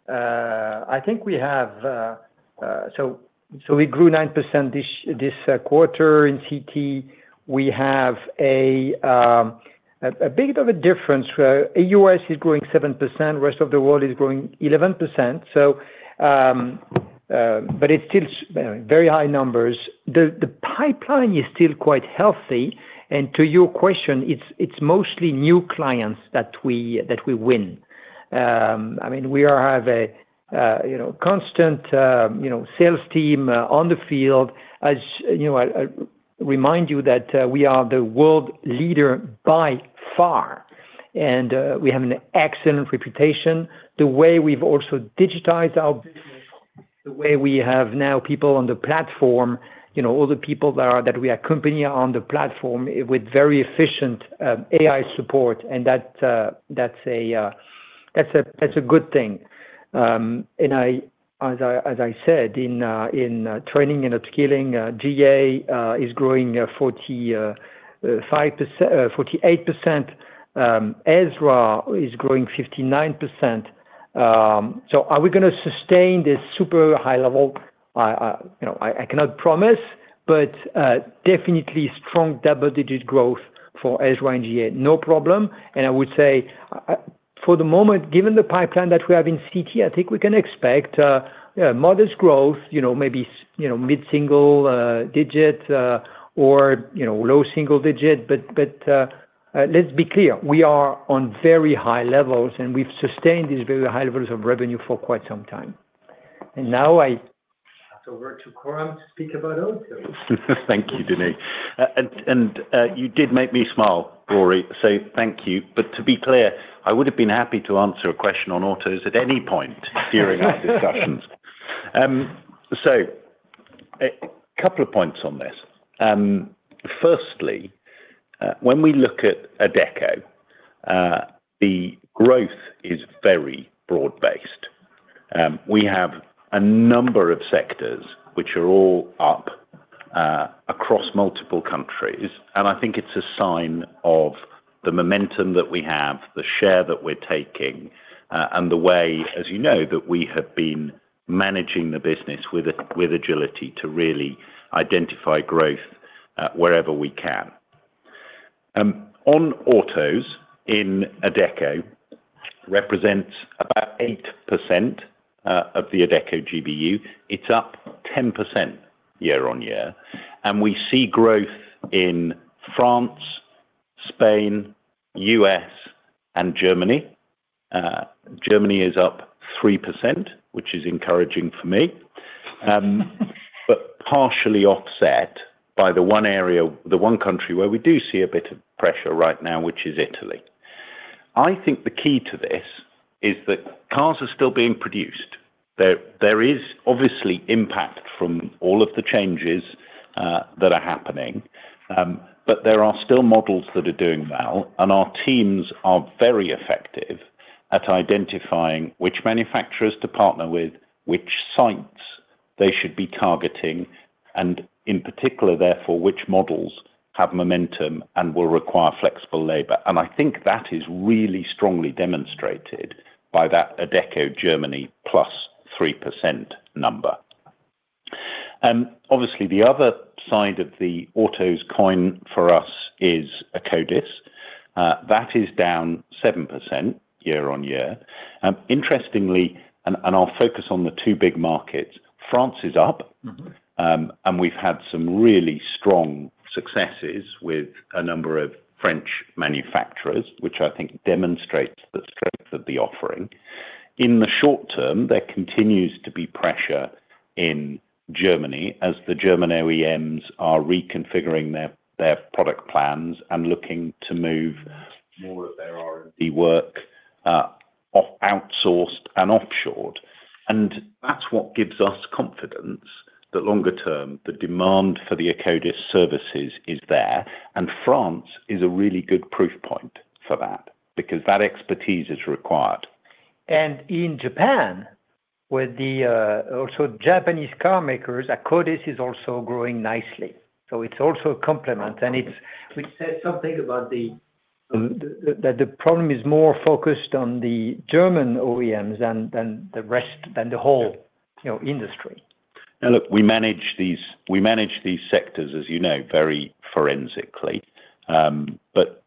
Speaker 3: I think we grew 9% this quarter in CT. We have a bit of a difference. The US is growing 7%. The rest of the world is growing 11%. It is still very high numbers. The pipeline is still quite healthy. To your question, it is mostly new clients that we win. I mean, we have a constant sales team on the field. I remind you that we are the world leader by far, and we have an excellent reputation. The way we have also digitized our business, the way we have now people on the platform, all the people that we accompany on the platform with very efficient AI support, and that is a good thing. As I said, in training and upskilling, GA is growing 48%. Ezra is growing 59%. Are we going to sustain this super high level? I cannot promise, but definitely strong double-digit growth for Ezra and GA. No problem. I would say for the moment, given the pipeline that we have in CT, I think we can expect modest growth, maybe mid-single digit or low single digit. Let's be clear, we are on very high levels, and we've sustained these very high levels of revenue for quite some time. I pass over to Coram to speak about autos.
Speaker 4: Thank you, Denis. You did make me smile, Rory. Thank you. To be clear, I would have been happy to answer a question on autos at any point during our discussions. A couple of points on this. Firstly, when we look at Adecco, the growth is very broad-based. We have a number of sectors which are all up across multiple countries. I think it is a sign of the momentum that we have, the share that we are taking, and the way, as you know, that we have been managing the business with agility to really identify growth wherever we can. On autos, in Adecco, it represents about 8% of the Adecco GBU. It is up 10% year on year. We see growth in France, Spain, US, and Germany. Germany is up 3%, which is encouraging for me, but partially offset by the one area, the one country where we do see a bit of pressure right now, which is Italy. I think the key to this is that cars are still being produced. There is obviously impact from all of the changes that are happening, but there are still models that are doing well. Our teams are very effective at identifying which manufacturers to partner with, which sites they should be targeting, and in particular, therefore, which models have momentum and will require flexible labor. I think that is really strongly demonstrated by that Adecco Germany +3% number. Obviously, the other side of the autos coin for us is Akkodis. That is down 7% year on year. Interestingly, and I'll focus on the two big markets, France is up. We have had some really strong successes with a number of French manufacturers, which I think demonstrates the strength of the offering. In the short term, there continues to be pressure in Germany as the German OEMs are reconfiguring their product plans and looking to move more of their R&D work outsourced and offshored. That is what gives us confidence that longer term, the demand for the Akkodis services is there. France is a really good proof point for that because that expertise is required.
Speaker 3: In Japan, with the also Japanese carmakers, Akkodis is also growing nicely. It is also a complement. We said something about the problem being more focused on the German OEMs than the rest of the whole industry.
Speaker 4: Now, look, we manage these sectors, as you know, very forensically.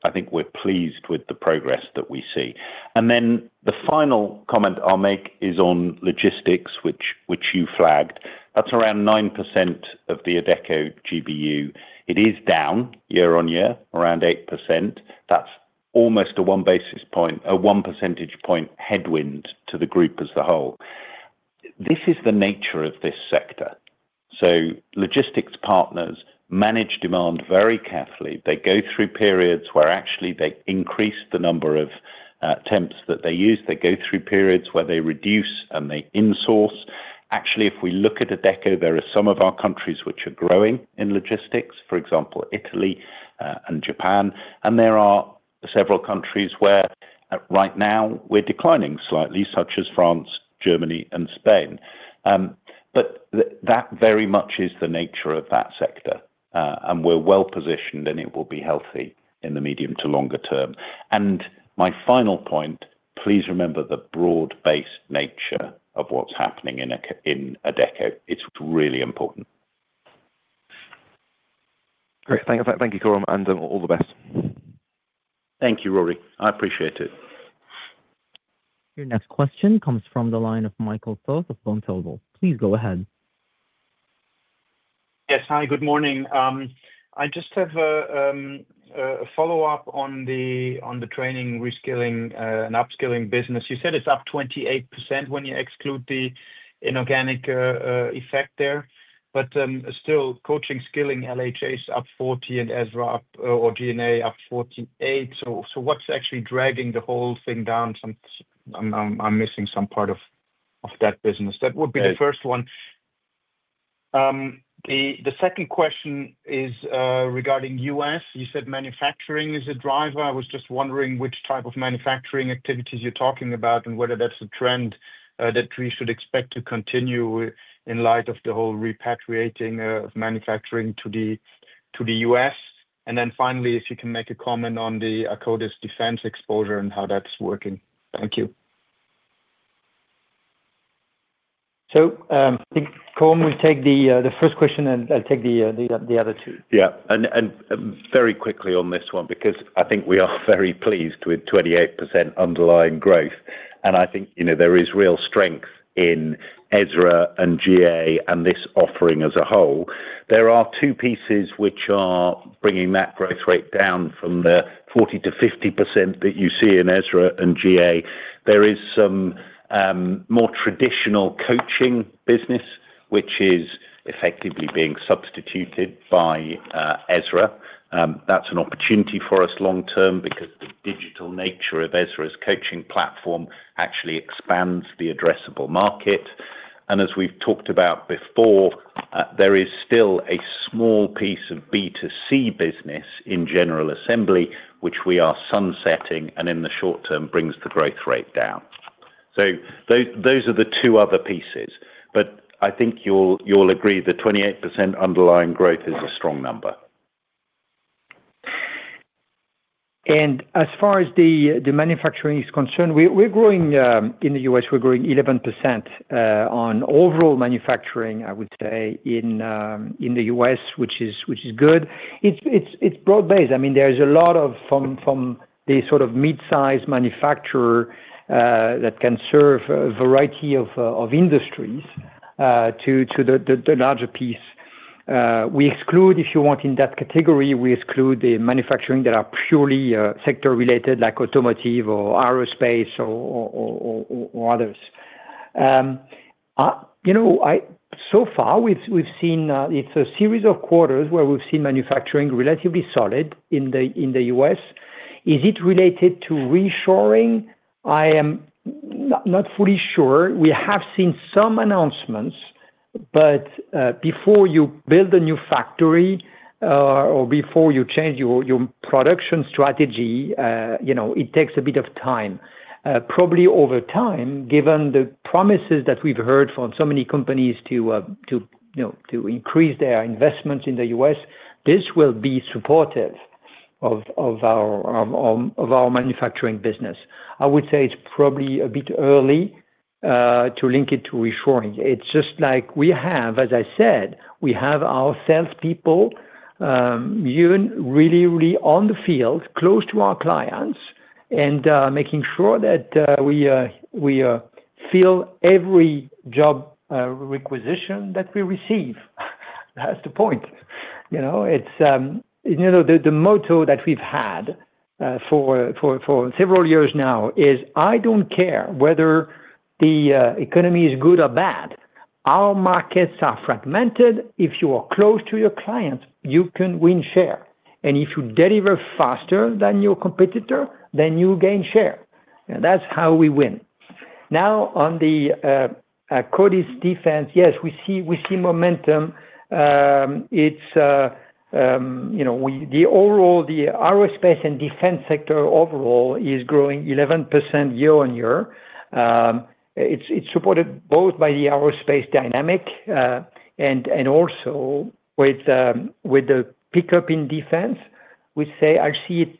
Speaker 4: I think we're pleased with the progress that we see. The final comment I'll make is on logistics, which you flagged. That is around 9% of the Adecco GBU. It is down year on year, around 8%. That is almost a one-percentage point headwind to the group as a whole. This is the nature of this sector. Logistics partners manage demand very carefully. They go through periods where actually they increase the number of temps that they use. They go through periods where they reduce and they insource. Actually, if we look at Adecco, there are some of our countries which are growing in logistics, for example, Italy and Japan. There are several countries where right now we're declining slightly, such as France, Germany, and Spain. That very much is the nature of that sector. We're well-positioned, and it will be healthy in the medium to longer term. My final point, please remember the broad-based nature of what's happening in Adecco. It's really important.
Speaker 9: Great. Thank you, Coram and Andy all the best.
Speaker 4: Thank you, Rory. I appreciate it.
Speaker 1: Your next question comes from the line of Michael Foeth of Vontobel. Please go ahead.
Speaker 10: Yes. Hi, good morning. I just have a follow-up on the training, reskilling, and upskilling business. You said it's up 28% when you exclude the inorganic effect there. But still, coaching, skilling, LHH is up 40%, and Ezra or G&A up 48%. What's actually dragging the whole thing down? I'm missing some part of that business. That would be the first one. The second question is regarding U.S. You said manufacturing is a driver. I was just wondering which type of manufacturing activities you're talking about and whether that's a trend that we should expect to continue in light of the whole repatriating of manufacturing to the U.S. And then finally, if you can make a comment on the Akkodis defense exposure and how that's working. Thank you.
Speaker 3: I think, Coram, we take the first question, and I'll take the other two.
Speaker 4: Yeah. Very quickly on this one because I think we are very pleased with 28% underlying growth. I think there is real strength in Ezra and GA and this offering as a whole. There are two pieces which are bringing that growth rate down from the 40-50% that you see in Ezra and GA. There is some more traditional coaching business, which is effectively being substituted by Ezra. That is an opportunity for us long-term because the digital nature of Ezra's coaching platform actually expands the addressable market. As we have talked about before, there is still a small piece of B2C business in General Assembly, which we are sunsetting, and in the short term, brings the growth rate down. Those are the two other pieces. I think you will agree the 28% underlying growth is a strong number.
Speaker 3: As far as the manufacturing is concerned, we are growing in the U.S., we are growing 11% on overall manufacturing, I would say, in the U.S., which is good. It's broad-based. I mean, there's a lot of, from the sort of mid-size manufacturer that can serve a variety of industries to the larger piece. We exclude, if you want, in that category, we exclude the manufacturing that are purely sector-related, like automotive or aerospace or others. So far, we've seen it's a series of quarters where we've seen manufacturing relatively solid in the U.S. Is it related to reshoring? I am not fully sure. We have seen some announcements, but before you build a new factory or before you change your production strategy, it takes a bit of time. Probably over time, given the promises that we've heard from so many companies to increase their investments in the U.S., this will be supportive of our manufacturing business. I would say it's probably a bit early to link it to reshoring. It's just like we have, as I said, we have our salespeople really, really on the field, close to our clients, and making sure that we fill every job requisition that we receive. That's the point. The motto that we've had for several years now is, "I don't care whether the economy is good or bad. Our markets are fragmented. If you are close to your clients, you can win share. And if you deliver faster than your competitor, then you gain share." That's how we win. Now, on the Akkodis defense, yes, we see momentum. It's the overall, the aerospace and defense sector overall is growing 11% year on year. It's supported both by the aerospace dynamic and also with the pickup in defense. We say, "I see it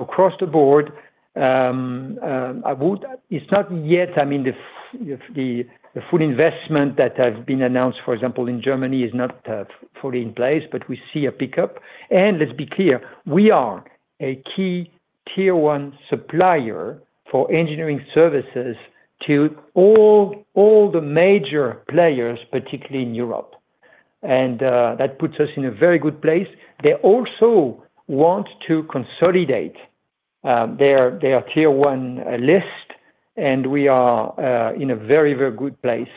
Speaker 3: across the board." It's not yet, I mean, the. Full investment that has been announced, for example, in Germany is not fully in place, but we see a pickup. Let's be clear, we are a key tier-one supplier for engineering services to all the major players, particularly in Europe. That puts us in a very good place. They also want to consolidate their tier-one list, and we are in a very, very good place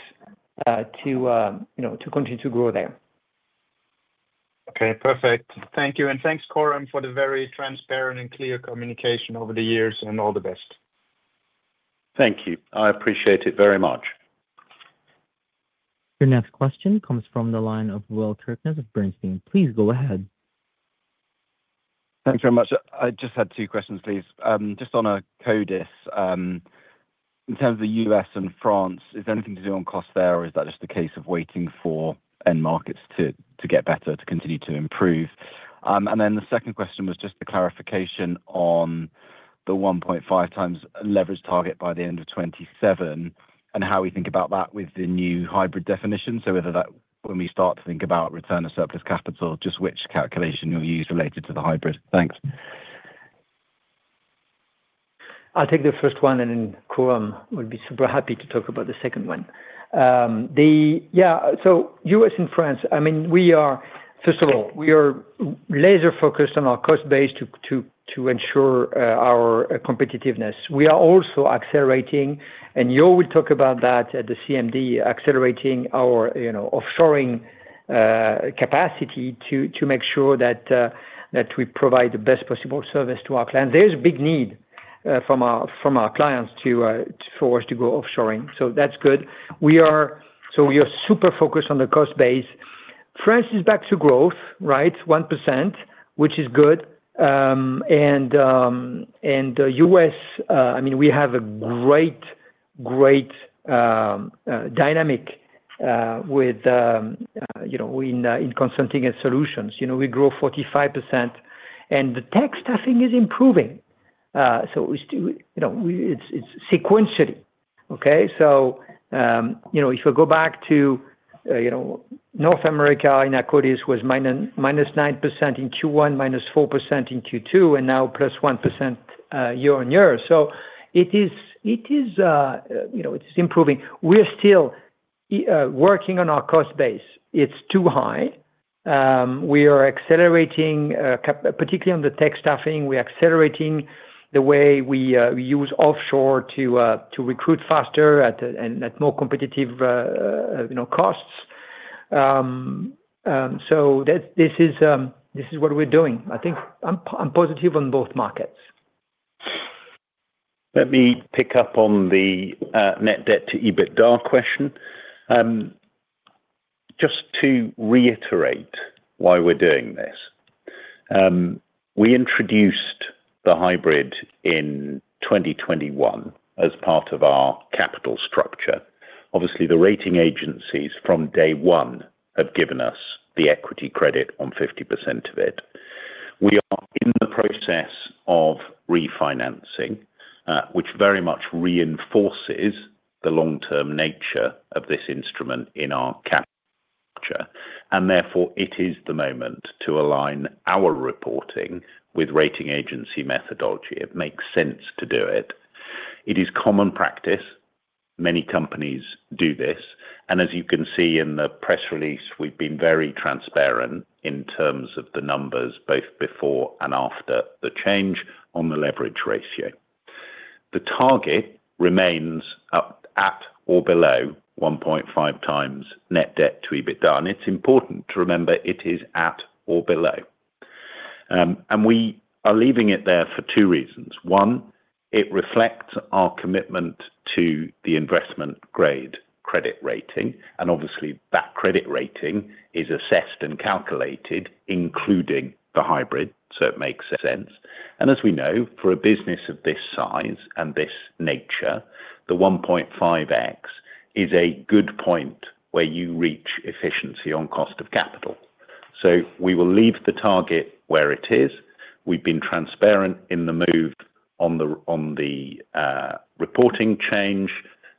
Speaker 3: to continue to grow there. Okay. Perfect. Thank you. Thanks, Coram, for the very transparent and clear communication over the years, and all the best.
Speaker 4: Thank you. I appreciate it very much.
Speaker 1: Your next question comes from the line of Will Kirkness of Bernstein. Please go ahead.
Speaker 11: Thanks very much. I just had two questions, please. Just on Akkodis. In terms of the U.S. and France, is there anything to do on cost there, or is that just the case of waiting for end markets to get better, to continue to improve? The second question was just the clarification on the 1.5 times leverage target by the end of 2027 and how we think about that with the new hybrid definition. Whether that, when we start to think about return of surplus capital, just which calculation you'll use related to the hybrid. Thanks.
Speaker 3: I'll take the first one, and then Coram would be super happy to talk about the second one. Yeah. U.S. and France, I mean, first of all, we are laser-focused on our cost base to ensure our competitiveness. We are also accelerating, and you will talk about that at the CMD, accelerating our offshoring capacity to make sure that. We provide the best possible service to our clients. There's a big need from our clients for us to go offshoring. That's good. We are super focused on the cost base. France is back to growth, right? 1%, which is good. The U.S., I mean, we have a great dynamic with consulting and solutions. We grow 45%, and the tech staffing is improving. It's sequentially okay. If you go back to North America, Akkodis was minus 9% in Q1, minus 4% in Q2, and now plus 1% year on year. It is improving. We're still working on our cost base. It's too high. We are accelerating, particularly on the tech staffing. We are accelerating the way we use offshore to recruit faster and at more competitive costs. This is what we're doing. I think I'm positive on both markets.
Speaker 4: Let me pick up on the net debt to EBITDA question. Just to reiterate why we're doing this. We introduced the hybrid in 2021 as part of our capital structure. Obviously, the rating agencies from day one have given us the equity credit on 50% of it. We are in the process of refinancing, which very much reinforces the long-term nature of this instrument in our capture. It is the moment to align our reporting with rating agency methodology. It makes sense to do it. It is common practice. Many companies do this. As you can see in the press release, we've been very transparent in terms of the numbers, both before and after the change on the leverage ratio. The target remains at or below 1.5 times net debt to EBITDA. It is important to remember it is at or below. We are leaving it there for two reasons. One, it reflects our commitment to the investment-grade credit rating. Obviously, that credit rating is assessed and calculated, including the hybrid, so it makes sense. As we know, for a business of this size and this nature, the 1.5x is a good point where you reach efficiency on cost of capital. We will leave the target where it is. We have been transparent in the move on the reporting change,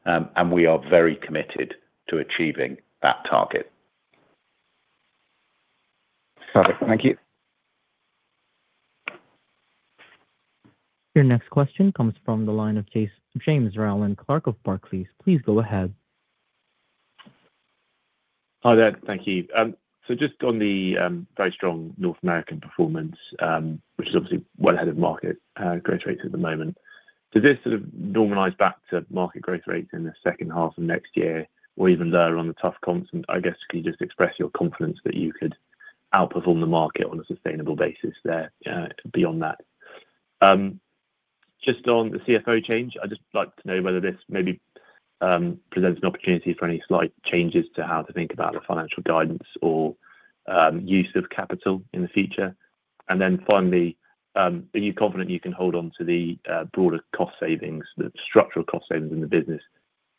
Speaker 4: and we are very committed to achieving that target.
Speaker 1: Perfect. Thank you.
Speaker 11: Your next question comes from the line of James Rowland Clark of Barclays. Please go ahead. Hi there. Thank you.
Speaker 1: Just on the very strong North American performance, which is obviously well ahead of market growth rates at the moment, does this sort of normalize back to market growth rates in the second half of next year or even lower on the tough constant? I guess could you just express your confidence that you could outperform the market on a sustainable basis there beyond that? Just on the CFO change, I'd just like to know whether this maybe presents an opportunity for any slight changes to how to think about the financial guidance or use of capital in the future. And then finally, are you confident you can hold on to the broader cost savings, the structural cost savings in the business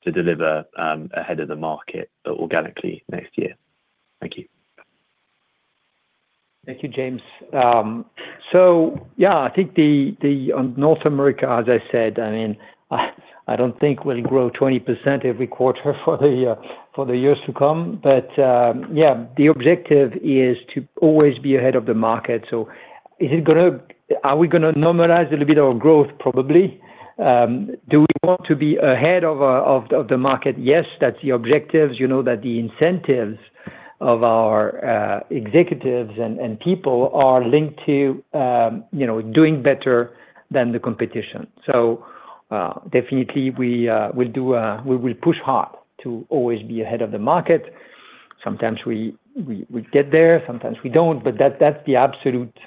Speaker 1: to deliver ahead of the market organically next year? Thank you.
Speaker 4: Thank you, James. Yeah, I think the North America, as I said, I mean, I do not think we will grow 20% every quarter for the years to come. The objective is to always be ahead of the market. Is it going to—are we going to normalize a little bit of growth, probably? Do we want to be ahead of the market? Yes, that is the objective. You know that the incentives of our executives and people are linked to doing better than the competition. Definitely, we will push hard to always be ahead of the market. Sometimes we get there, sometimes we do not, but that is the absolute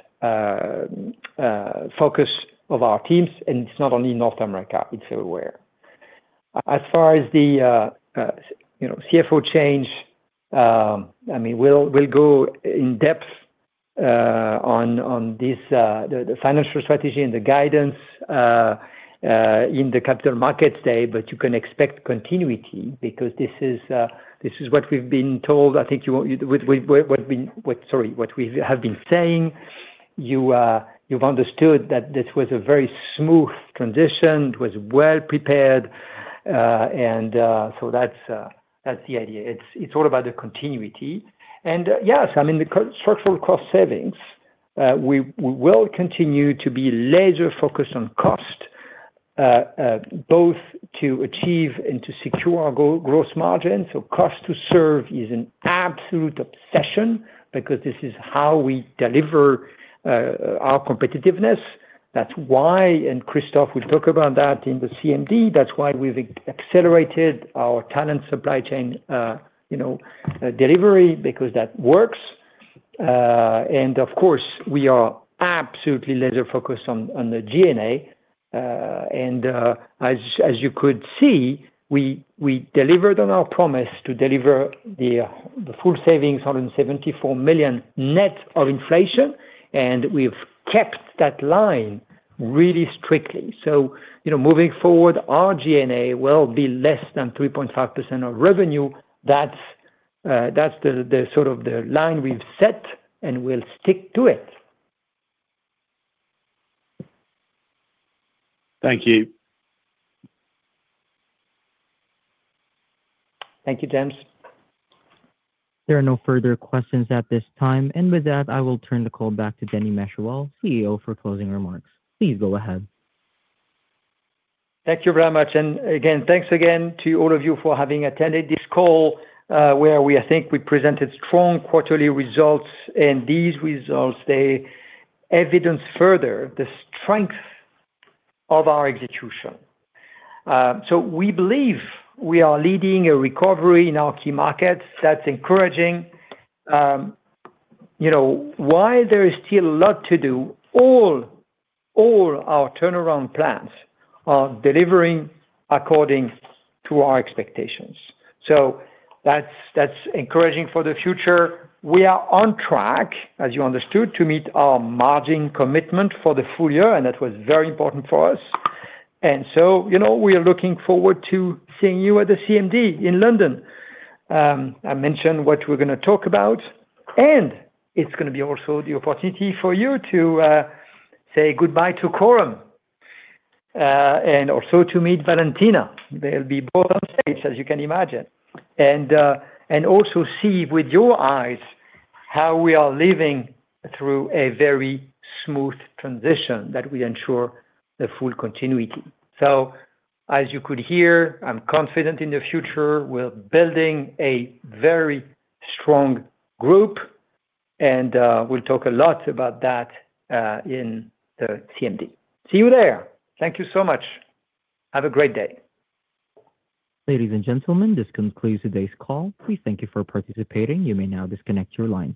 Speaker 4: focus of our teams. It is not only North America. It is everywhere. As far as the CFO change, I mean, we will go in depth on the financial strategy and the guidance. In the capital markets today, but you can expect continuity because this is what we've been told. I think. What we've been—sorry, what we have been saying. You've understood that this was a very smooth transition. It was well prepared. That is the idea. It is all about the continuity. Yes, I mean, the structural cost savings, we will continue to be laser-focused on cost. Both to achieve and to secure our gross margins. Cost to serve is an absolute obsession because this is how we deliver our competitiveness. That is why, and Christophe will talk about that in the CMD, that is why we have accelerated our talent supply chain delivery because that works. Of course, we are absolutely laser-focused on the G&A. As you could see, we delivered on our promise to deliver the full savings, 174 million net of inflation, and we have kept that line really strictly. Moving forward, our G&A will be less than 3.5% of revenue. That is the sort of the line we have set, and we will stick to it.
Speaker 12: Thank you.
Speaker 1: Thank you, James. There are no further questions at this time. With that, I will turn the call back to Denis Machuel, CEO, for closing remarks. Please go ahead.
Speaker 3: Thank you very much. Thanks again to all of you for having attended this call where I think we presented strong quarterly results. These results evidence further the strength of our execution. We believe we are leading a recovery in our key markets. That is encouraging. While there is still a lot to do, all our turnaround plans are delivering according to our expectations. That is encouraging for the future. We are on track, as you understood, to meet our margin commitment for the full year, and that was very important for us. We are looking forward to seeing you at the CMD in London. I mentioned what we are going to talk about. It is going to be also the opportunity for you to say goodbye to Coram and also to meet Valentina. They will be both on stage, as you can imagine. You will also see with your eyes how we are living through a very smooth transition that we ensure the full continuity. As you could hear, I am confident in the future. We are building a very strong group. We will talk a lot about that in the CMD. See you there. Thank you so much. Have a great day. Ladies and gentlemen, this concludes today's call. Thank you for participating. You may now disconnect your lines.